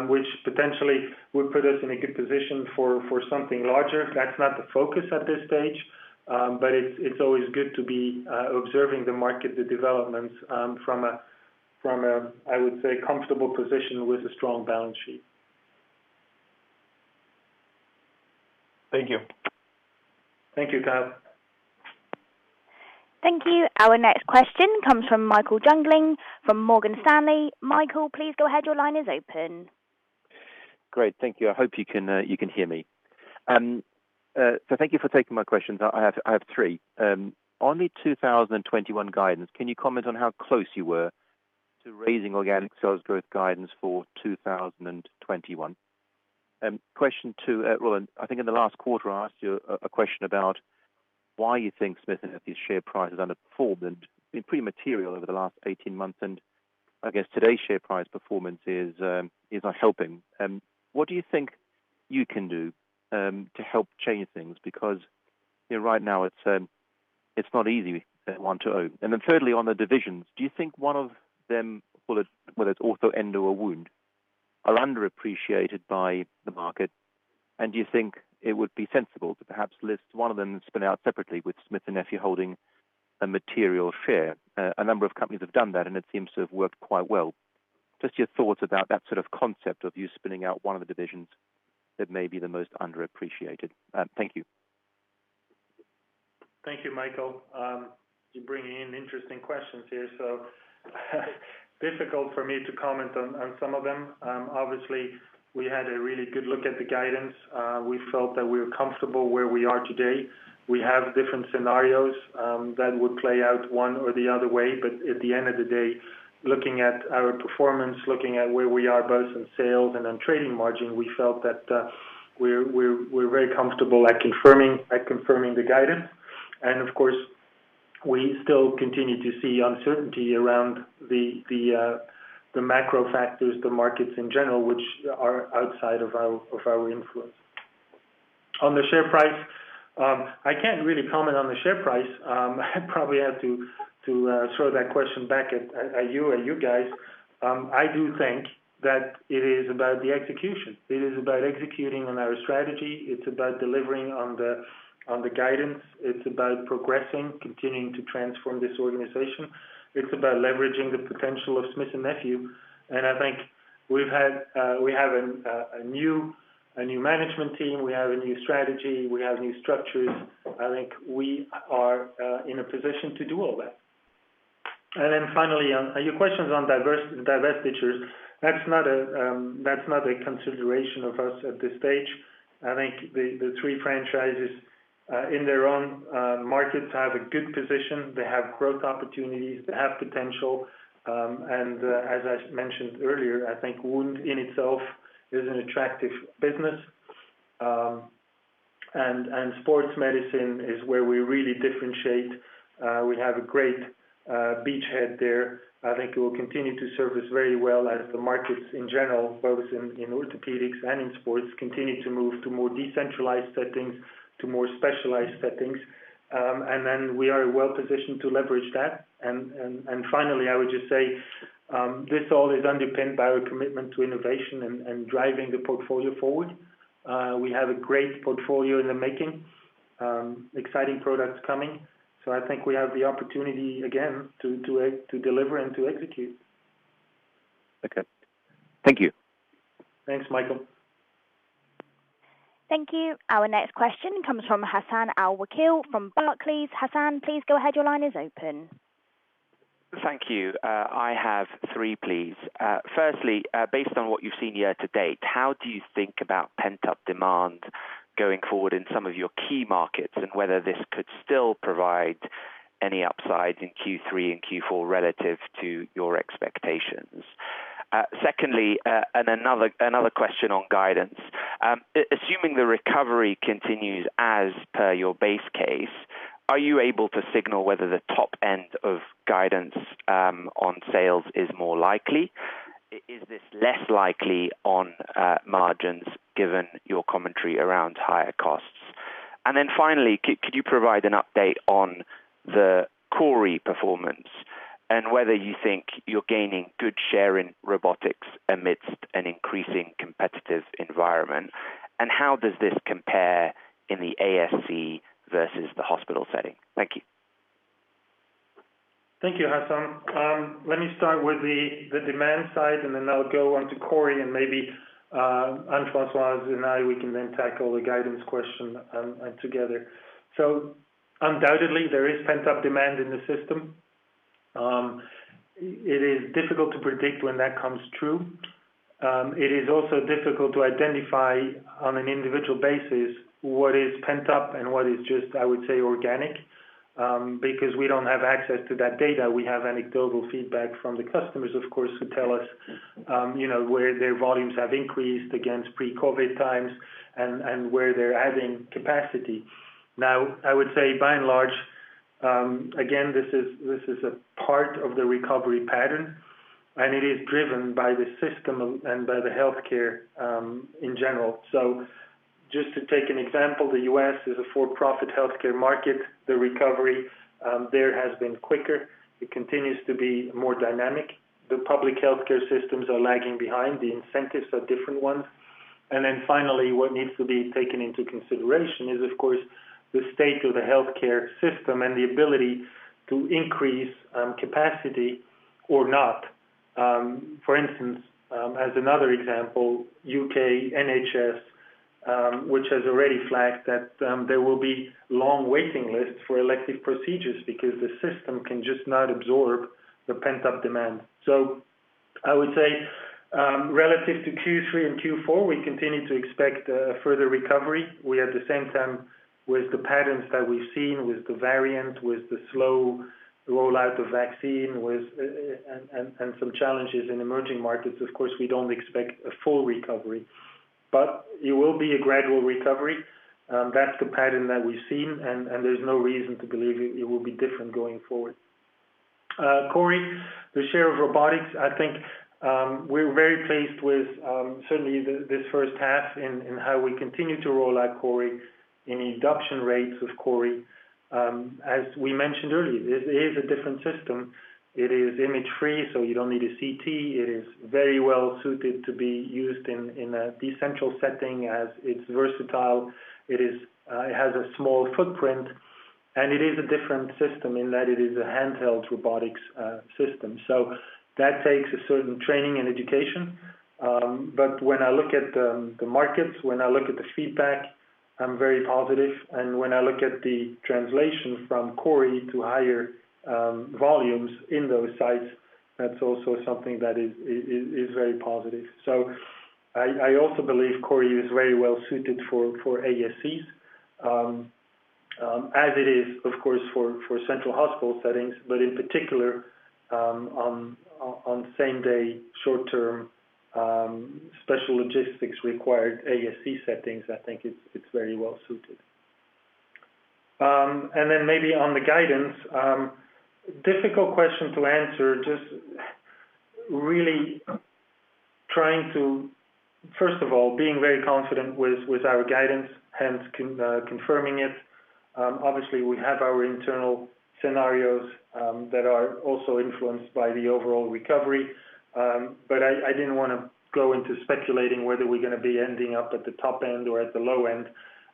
[SPEAKER 2] which potentially would put us in a good position for something larger. That's not the focus at this stage, but it's always good to be observing the market, the developments, from a, I would say, comfortable position with a strong balance sheet.
[SPEAKER 7] Thank you.
[SPEAKER 2] Thank you, Tom.
[SPEAKER 1] Thank you. Our next question comes from Michael Jüngling from Morgan Stanley. Michael, please go ahead. Your line is open.
[SPEAKER 8] Great. Thank you. I hope you can hear me. Thank you for taking my questions. I have three. On the 2021 guidance, can you comment on how close you were to raising organic sales growth guidance for 2021? Question two, Roland, I think in the last quarter, I asked you a question about why you think Smith & Nephew's share price has underperformed and been pretty material over the last 18 months. I guess today's share price performance is not helping. What do you think you can do to help change things? Right now it's not easy, 1:0. Thirdly, on the divisions, do you think one of them, whether it's ortho, endo or wound, are underappreciated by the market? Do you think it would be sensible to perhaps list one of them and spin out separately with Smith & Nephew holding a material share? A number of companies have done that, and it seems to have worked quite well. Just your thoughts about that sort of concept of you spinning out one of the divisions that may be the most underappreciated. Thank you.
[SPEAKER 2] Thank you, Michael. You're bringing in interesting questions here. Difficult for me to comment on some of them. Obviously, we had a really good look at the guidance. We felt that we were comfortable where we are today. We have different scenarios that would play out one or the other way. At the end of the day, looking at our performance, looking at where we are both in sales and on trading margin, we felt that we're very comfortable at confirming the guidance. Of course, we still continue to see uncertainty around the macro factors, the markets in general, which are outside of our influence. On the share price, I can't really comment on the share price. I probably have to throw that question back at you guys. I do think that it is about the execution. It is about executing on our strategy. It's about delivering on the guidance. It's about progressing, continuing to transform this organization. It's about leveraging the potential of Smith + Nephew. I think we have a new management team. We have a new strategy. We have new structures. I think we are in a position to do all that. Finally, on your questions on divestitures, that's not a consideration of us at this stage. I think the three franchises in their own markets have a good position. They have growth opportunities. They have potential. As I mentioned earlier, I think wound in itself is an attractive business. Sports medicine is where we really differentiate. We have a great beachhead there. I think it will continue to serve us very well as the markets in general, both in orthopedics and in sports, continue to move to more decentralized settings, to more specialized settings. We are well-positioned to leverage that. Finally, I would just say, this all is underpinned by our commitment to innovation and driving the portfolio forward. We have a great portfolio in the making, exciting products coming. I think we have the opportunity again to deliver and to execute.
[SPEAKER 8] Okay. Thank you.
[SPEAKER 2] Thanks, Michael.
[SPEAKER 1] Thank you. Our next question comes from Hassan Al-Wakeel from Barclays. Hassan, please go ahead. Your line is open.
[SPEAKER 9] Thank you. I have three, please. Firstly, based on what you've seen year to date, how do you think about pent-up demand going forward in some of your key markets, and whether this could still provide any upsides in Q3 and Q4 relative to your expectations? Secondly, another question on guidance. Assuming the recovery continues as per your base case, are you able to signal whether the top end of guidance on sales is more likely? Is this less likely on margins given your commentary around higher costs? Finally, could you provide an update on the CORI performance and whether you think you're gaining good share in robotics amidst an increasing competitive environment? How does this compare in the ASC versus the hospital setting? Thank you.
[SPEAKER 2] Thank you, Hassan. Let me start with the demand side, and then I'll go on to CORI and maybe Anne-Francoise and I, we can then tackle the guidance question together. Undoubtedly, there is pent-up demand in the system. It is difficult to predict when that comes true. It is also difficult to identify on an individual basis what is pent-up and what is just, I would say, organic, because we don't have access to that data. We have anecdotal feedback from the customers, of course, who tell us where their volumes have increased against pre-COVID times and where they're adding capacity. I would say by and large, again, this is a part of the recovery pattern, and it is driven by the system and by the healthcare in general. Just to take an example, the U.S. is a for-profit healthcare market. The recovery there has been quicker. It continues to be more dynamic. The public healthcare systems are lagging behind. The incentives are different ones. Finally, what needs to be taken into consideration is, of course, the state of the healthcare system and the ability to increase capacity or not. For instance, as another example, U.K. NHS, which has already flagged that there will be long waiting lists for elective procedures because the system can just not absorb the pent-up demand. I would say, relative to Q3 and Q4, we continue to expect a further recovery. We, at the same time, with the patterns that we've seen with the variant, with the slow rollout of vaccine, and some challenges in emerging markets, of course, we don't expect a full recovery. It will be a gradual recovery. That's the pattern that we've seen, and there's no reason to believe it will be different going forward. CORI, the share of robotics, I think we're very pleased with certainly this first half and how we continue to roll out CORI and the adoption rates of CORI. As we mentioned earlier, this is a different system. It is image-free, so you don't need a CT. It is very well-suited to be used in a decentral setting as it's versatile. It has a small footprint, and it is a different system in that it is a handheld robotics system. That takes a certain training and education. When I look at the markets, when I look at the feedback, I'm very positive. When I look at the translation from CORI to higher volumes in those sites, that's also something that is very positive. I also believe CORI is very well-suited for ASCs, as it is, of course, for central hospital settings. In particular, on same-day, short-term, special logistics required ASC settings, I think it's very well-suited. Maybe on the guidance, difficult question to answer. Just really first of all, being very confident with our guidance, hence confirming it. We have our internal scenarios that are also influenced by the overall recovery. I didn't want to go into speculating whether we're going to be ending up at the top end or at the low end.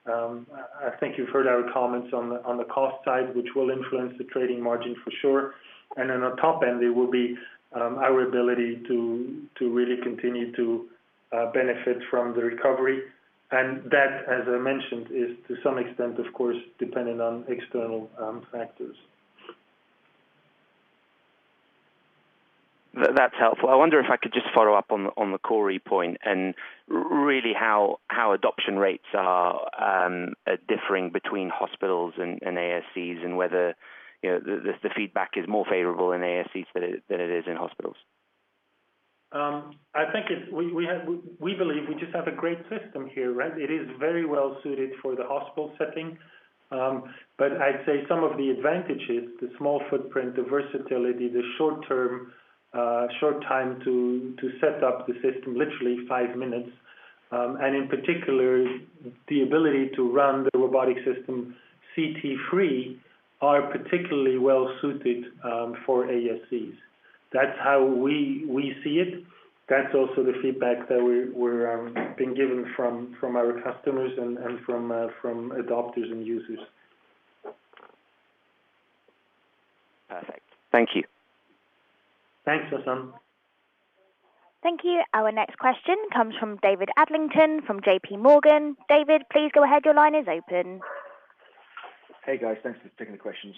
[SPEAKER 2] I think you've heard our comments on the cost side, which will influence the trading margin for sure. On top end, it will be our ability to really continue to benefit from the recovery. That, as I mentioned, is to some extent, of course, dependent on external factors.
[SPEAKER 9] That's helpful. I wonder if I could just follow up on the CORI point and really how adoption rates are differing between hospitals and ASCs, and whether the feedback is more favorable in ASCs than it is in hospitals.
[SPEAKER 2] We believe we just have a great system here. It is very well-suited for the hospital setting. I'd say some of the advantages, the small footprint, the versatility, the short time to set up the system, literally five minutes. In particular, the ability to run the robotic system CT-free are particularly well-suited for ASCs. That's how we see it. That's also the feedback that we're being given from our customers and from adopters and users.
[SPEAKER 9] Thank you.
[SPEAKER 2] Thanks, Hassan.
[SPEAKER 1] Thank you. Our next question comes from David Adlington from JPMorgan. David, please go ahead.
[SPEAKER 10] Hey, guys. Thanks for taking the questions.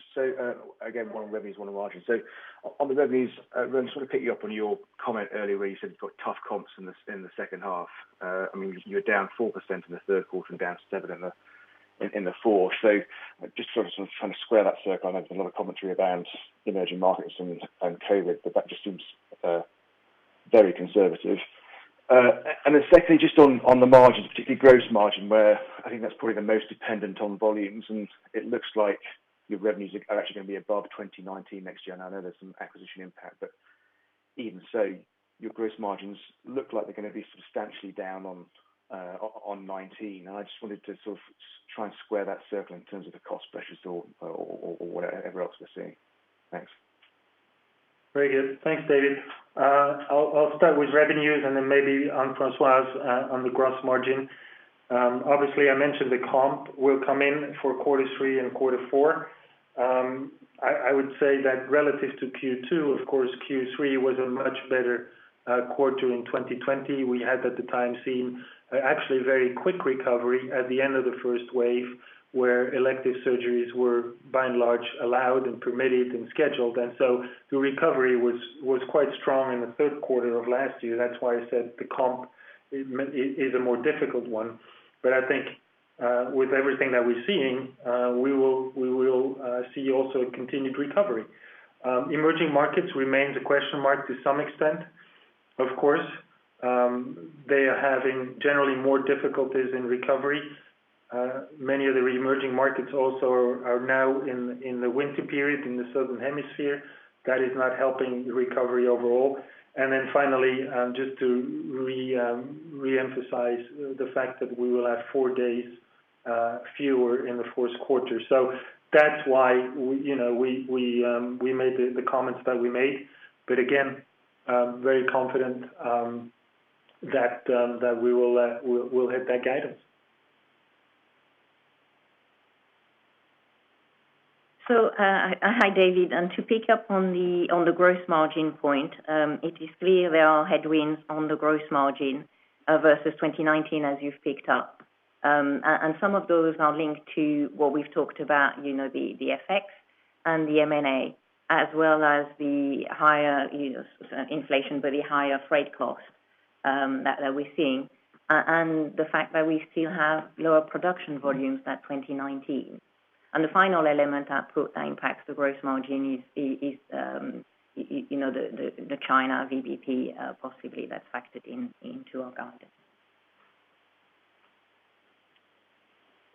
[SPEAKER 10] Again, one on revenues, one on margins. On the revenues, Roland, to sort of pick you up on your comment earlier where you said you've got tough comps in the second half. You're down 4% in the third quarter and down 7% in the fourth. Just sort of trying to square that circle. I know there's a lot of commentary around emerging markets and COVID, but that just seems very conservative. Secondly, just on the margins, particularly gross margin, where I think that's probably the most dependent on volumes, and it looks like your revenues are actually going to be above 2019 next year. I know there's some acquisition impact, but even so, your gross margins look like they're going to be substantially down on 2019, and I just wanted to sort of try and square that circle in terms of the cost pressures or whatever else we're seeing. Thanks.
[SPEAKER 2] Very good. Thanks, David. I'll start with revenues and then maybe Anne-Francoise on the gross margin. Obviously, I mentioned the comp will come in for quarter three and quarter four. I would say that relative to Q2, of course, Q3 was a much better quarter in 2020. We had, at the time, seen actually a very quick recovery at the end of the first wave, where elective surgeries were by and large allowed and permitted and scheduled, and so the recovery was quite strong in the third quarter of last year. That's why I said the comp is a more difficult one. I think, with everything that we're seeing, we will see also a continued recovery. Emerging markets remains a question mark to some extent. Of course, they are having generally more difficulties in recovery. Many of the emerging markets also are now in the winter period in the southern hemisphere. That is not helping the recovery overall. Finally, just to re-emphasize the fact that we will have four days fewer in the first quarter. That's why we made the comments that we made. Again, very confident that we'll hit that guidance.
[SPEAKER 3] Hi, David, to pick up on the gross margin point, it is clear there are headwinds on the gross margin versus 2019 as you've picked up. Some of those are linked to what we've talked about, the FX and the M&A as well as the higher inflation, but the higher freight cost that we're seeing, and the fact that we still have lower production volumes than 2019. The final element that impacts the gross margin is the China VBP, possibly that's factored into our guidance.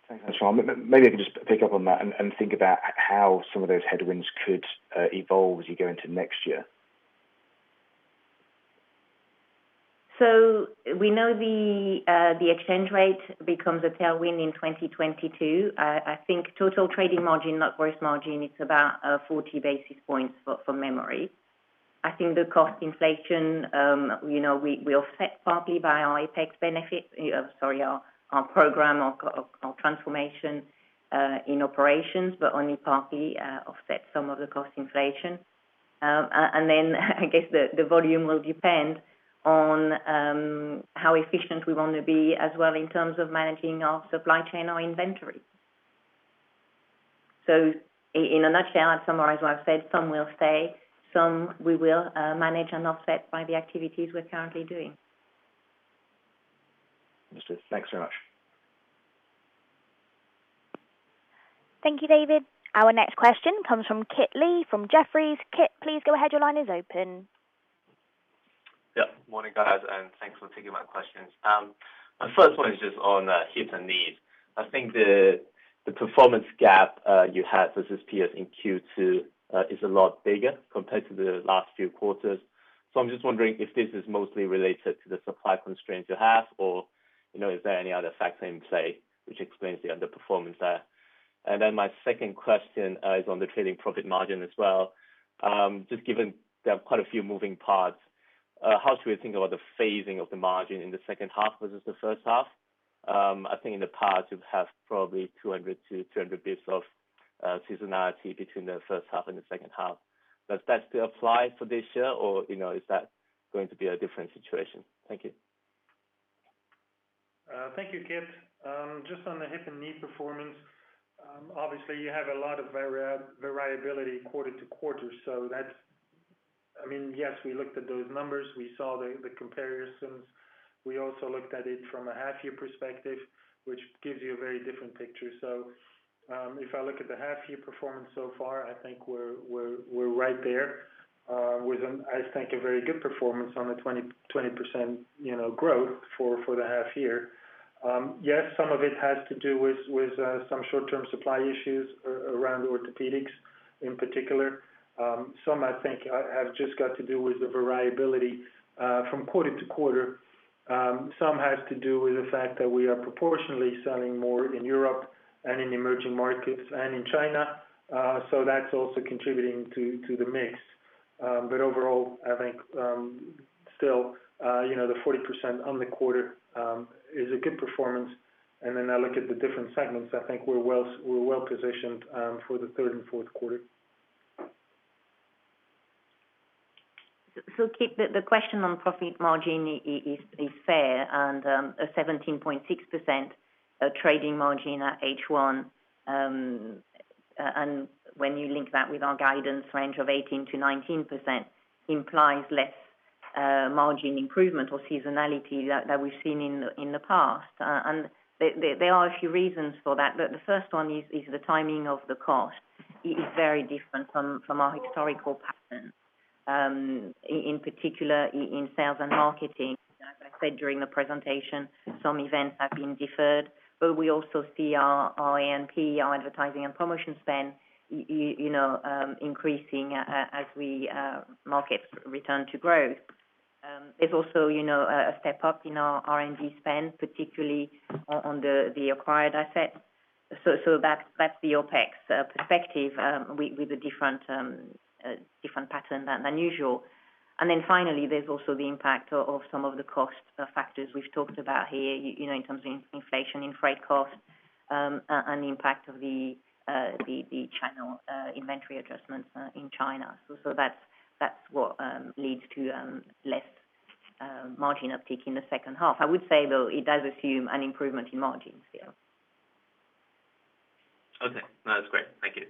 [SPEAKER 10] Thanks, Anne-Francoise. Maybe I can just pick up on that and think about how some of those headwinds could evolve as you go into next year.
[SPEAKER 3] We know the exchange rate becomes a tailwind in 2022. I think total trading margin, not gross margin, it's about 40 basis points from memory. I think the cost inflation, we offset partly by our APEX benefit. Sorry, our program, our transformation in operations, but only partly offset some of the cost inflation. I guess the volume will depend on how efficient we want to be as well in terms of managing our supply chain, our inventory. In a nutshell, I'd summarize what I've said, some will stay, some we will manage and offset by the activities we're currently doing.
[SPEAKER 10] Understood. Thanks very much.
[SPEAKER 1] Thank you, David. Our next question comes from Kit Lee from Jefferies. Kit, please go ahead. Your line is open.
[SPEAKER 11] Yep. Morning, guys. Thanks for taking my questions. My first one is just on hip and knee. I think the performance gap you have versus peers in Q2 is a lot bigger compared to the last few quarters. I'm just wondering if this is mostly related to the supply constraints you have, or is there any other factor in play which explains the underperformance there? My second question is on the trading profit margin as well. Just given there are quite a few moving parts, how should we think about the phasing of the margin in the second half versus the first half? I think in the past, you've had probably 200-200 basis of seasonality between the first half and the second half. Does that still apply for this year or is that going to be a different situation? Thank you.
[SPEAKER 2] Thank you, Kit. Just on the hip and knee performance, obviously you have a lot of variability quarter-to-quarter. Yes, we looked at those numbers. We saw the comparisons. We also looked at it from a half year perspective, which gives you a very different picture. If I look at the half year performance so far, I think we're right there, with I think a very good performance on the 20% growth for the half year. Yes, some of it has to do with some short-term supply issues around orthopaedics in particular. Some I think have just got to do with the variability from quarter-to-quarter. Some has to do with the fact that we are proportionally selling more in Europe and in emerging markets and in China. That's also contributing to the mix. Overall, I think still the 40% on the quarter is a good performance. Then I look at the different segments. I think we're well-positioned for the third and fourth quarter.
[SPEAKER 3] Kit, the question on profit margin is fair and a 17.6% trading margin at H1, and when you link that with our guidance range of 18%-19%, implies less margin improvement or seasonality that we've seen in the past. There are a few reasons for that. The first one is the timing of the cost is very different from our historical pattern, in particular in sales and marketing. As I said during the presentation, some events have been deferred, but we also see our A&P, our advertising and promotion spend increasing as we market return to growth. There's also a step up in our R&D spend, particularly on the acquired asset. That's the OPEX perspective with a different pattern than usual. Finally, there's also the impact of some of the cost factors we've talked about here in terms of inflation in freight costs and the impact of the channel inventory adjustments in China. That's what leads to less margin uptick in the second half. I would say, though, it does assume an improvement in margins here.
[SPEAKER 11] Okay. No, that's great. Thank you.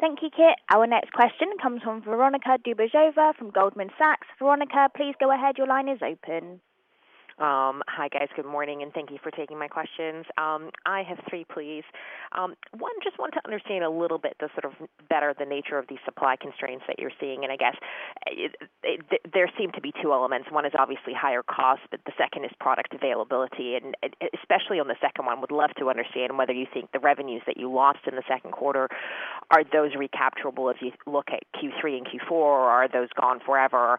[SPEAKER 1] Thank you, Kit. Our next question comes from Veronika Dubajova from Goldman Sachs. Veronika, please go ahead. Your line is open.
[SPEAKER 12] Hi, guys. Good morning, and thank you for taking my questions. I have three, please. One, just want to understand a little bit the sort of better the nature of the supply constraints that you're seeing. I guess there seem to be two elements. One is obviously higher cost, but the second is product availability. Especially on the second one, would love to understand whether you think the revenues that you lost in the second quarter, are those recapturable as you look at Q3 and Q4, or are those gone forever?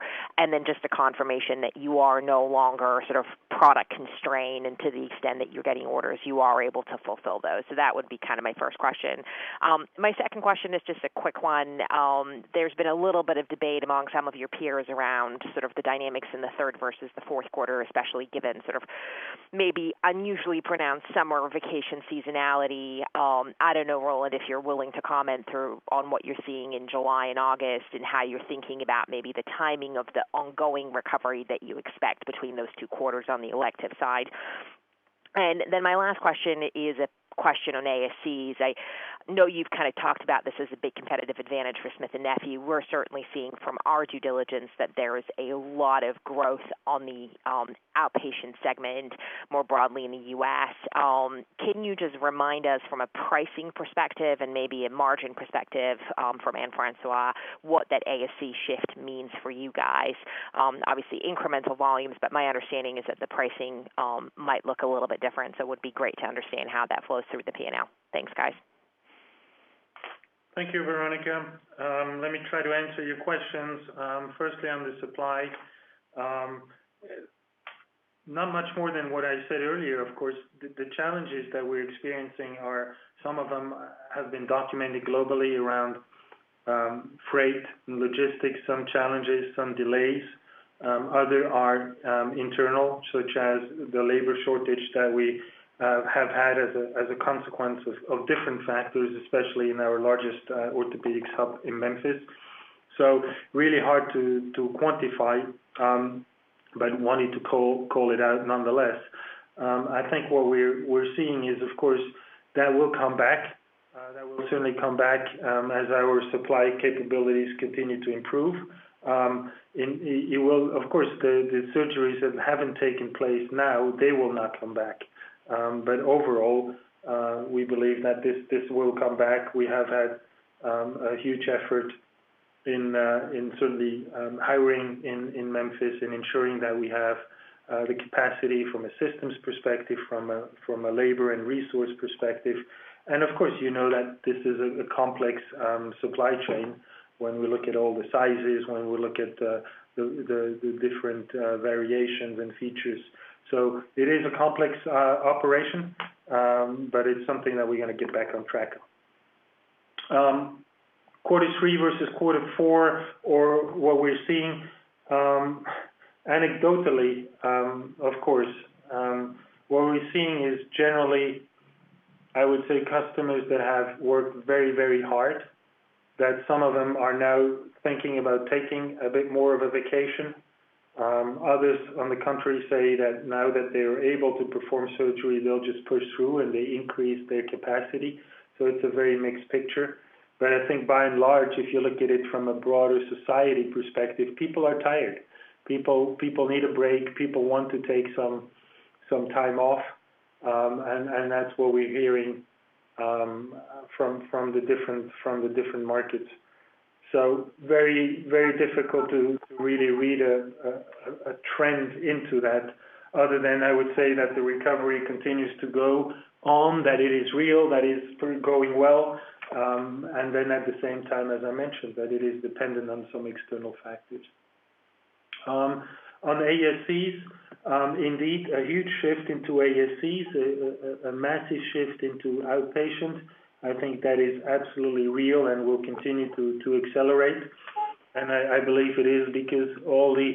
[SPEAKER 12] Just a confirmation that you are no longer sort of product constrained and to the extent that you're getting orders, you are able to fulfill those. That would be kind of my first question. My second question is just a quick one. There's been a little bit of debate among some of your peers around sort of the dynamics in the third versus the forth quarter, especially given sort of maybe unusually pronounced summer vacation seasonality. I don't know, Roland, if you're willing to comment on what you're seeing in July and August and how you're thinking about maybe the timing of the ongoing recovery that you expect between those two quarters on the elective side. My last question is a question on ASCs. I know you've kind of talked about this as a big competitive advantage for Smith & Nephew. We're certainly seeing from our due diligence that there is a lot of growth on the outpatient segment more broadly in the U.S. Can you just remind us from a pricing perspective and maybe a margin perspective from Anne-Francoise what that ASC shift means for you guys? Obviously incremental volumes, but my understanding is that the pricing might look a little bit different, so it would be great to understand how that flows through the P&L. Thanks, guys.
[SPEAKER 2] Thank you, Veronika. Let me try to answer your questions. Firstly, on the supply. Not much more than what I said earlier, of course, the challenges that we're experiencing are some of them have been documented globally around freight and logistics, some challenges, some delays. Other are internal, such as the labor shortage that we have had as a consequence of different factors, especially in our largest orthopedics hub in Memphis. Really hard to quantify, but wanted to call it out nonetheless. I think what we're seeing is, of course, that will come back. That will certainly come back as our supply capabilities continue to improve. Of course, the surgeries that haven't taken place now, they will not come back. Overall, we believe that this will come back. We have had a huge effort in certainly hiring in Memphis and ensuring that we have the capacity from a systems perspective, from a labor and resource perspective. Of course, you know that this is a complex supply chain when we look at all the sizes, when we look at the different variations and features. It is a complex operation, but it's something that we're going to get back on track on. Quarter three versus quarter four or what we're seeing anecdotally, of course, what we're seeing is generally, I would say customers that have worked very hard, that some of them are now thinking about taking a bit more of a vacation. Others, on the contrary, say that now that they're able to perform surgery, they'll just push through and they increase their capacity. It's a very mixed picture. I think by and large, if you look at it from a broader society perspective, people are tired. People need a break. People want to take some time off, and that's what we're hearing from the different markets. Very difficult to really read a trend into that other than I would say that the recovery continues to go on, that it is real, that it's going well, at the same time, as I mentioned, that it is dependent on some external factors. On ASCs, indeed, a huge shift into ASCs, a massive shift into outpatient. I think that is absolutely real and will continue to accelerate. I believe it is because all the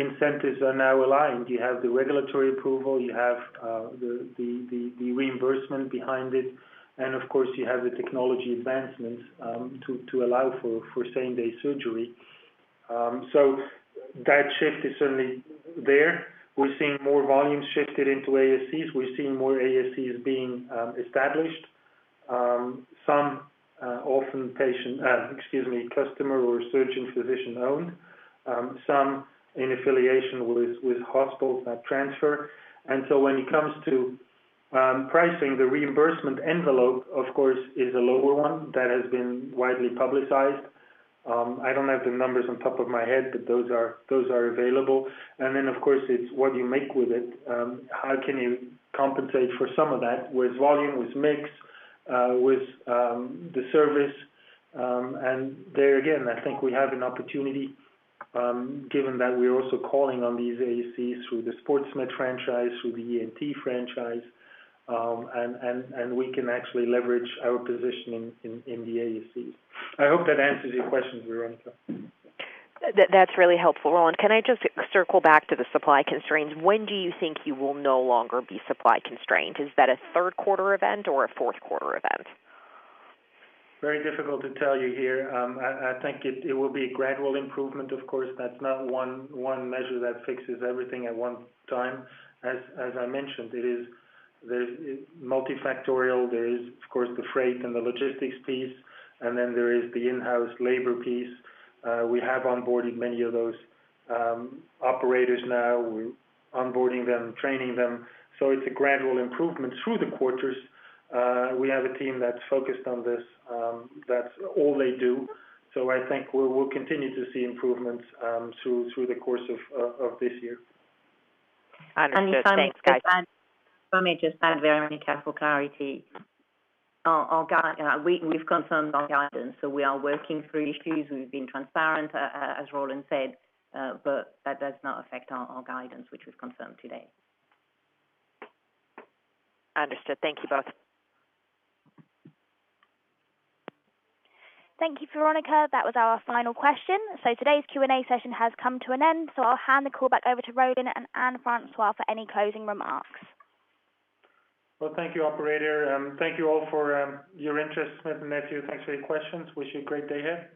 [SPEAKER 2] incentives are now aligned. You have the regulatory approval, you have the reimbursement behind it, and of course, you have the technology advancements to allow for same-day surgery. That shift is certainly there. We're seeing more volumes shifted into ASCs. We're seeing more ASCs being established. Some often patient, customer or surgeon-physician-owned, some in affiliation with hospitals that transfer. When it comes to pricing, the reimbursement envelope, of course, is a lower one that has been widely publicized. I don't have the numbers on top of my head, but those are available. Of course, it's what you make with it. How can you compensate for some of that, with volume, with mix, with the service. There again, I think we have an opportunity, given that we're also calling on these ASCs through the Sportsmed franchise, through the ENT franchise, and we can actually leverage our position in the ASCs. I hope that answers your questions, Veronika.
[SPEAKER 12] That is really helpful, Roland. Can I just circle back to the supply constraints? When do you think you will no longer be supply constrained? Is that a third quarter event or a fourth quarter event?
[SPEAKER 2] Very difficult to tell you here. I think it will be a gradual improvement, of course. That's not one measure that fixes everything at one time. As I mentioned, it is multifactorial. There is, of course, the freight and the logistics piece, and then there is the in-house labor piece. We have onboarded many of those operators now. We're onboarding them, training them. It's a gradual improvement through the quarters. We have a team that's focused on this. That's all they do. I think we'll continue to see improvements through the course of this year.
[SPEAKER 12] Understood. Thanks, guys.
[SPEAKER 3] If I may just add there, Veronika, for clarity. We've confirmed our guidance, so we are working through issues. We've been transparent, as Roland said, but that does not affect our guidance, which we've confirmed today.
[SPEAKER 12] Understood. Thank you both.
[SPEAKER 1] Thank you, Veronika. That was our final question. Today's Q&A session has come to an end, so I'll hand the call back over to Roland and Anne-Francoise for any closing remarks.
[SPEAKER 2] Well, thank you, operator, and thank you all for your interest. Smith & Nephew, thanks for your questions. Wish you a great day here.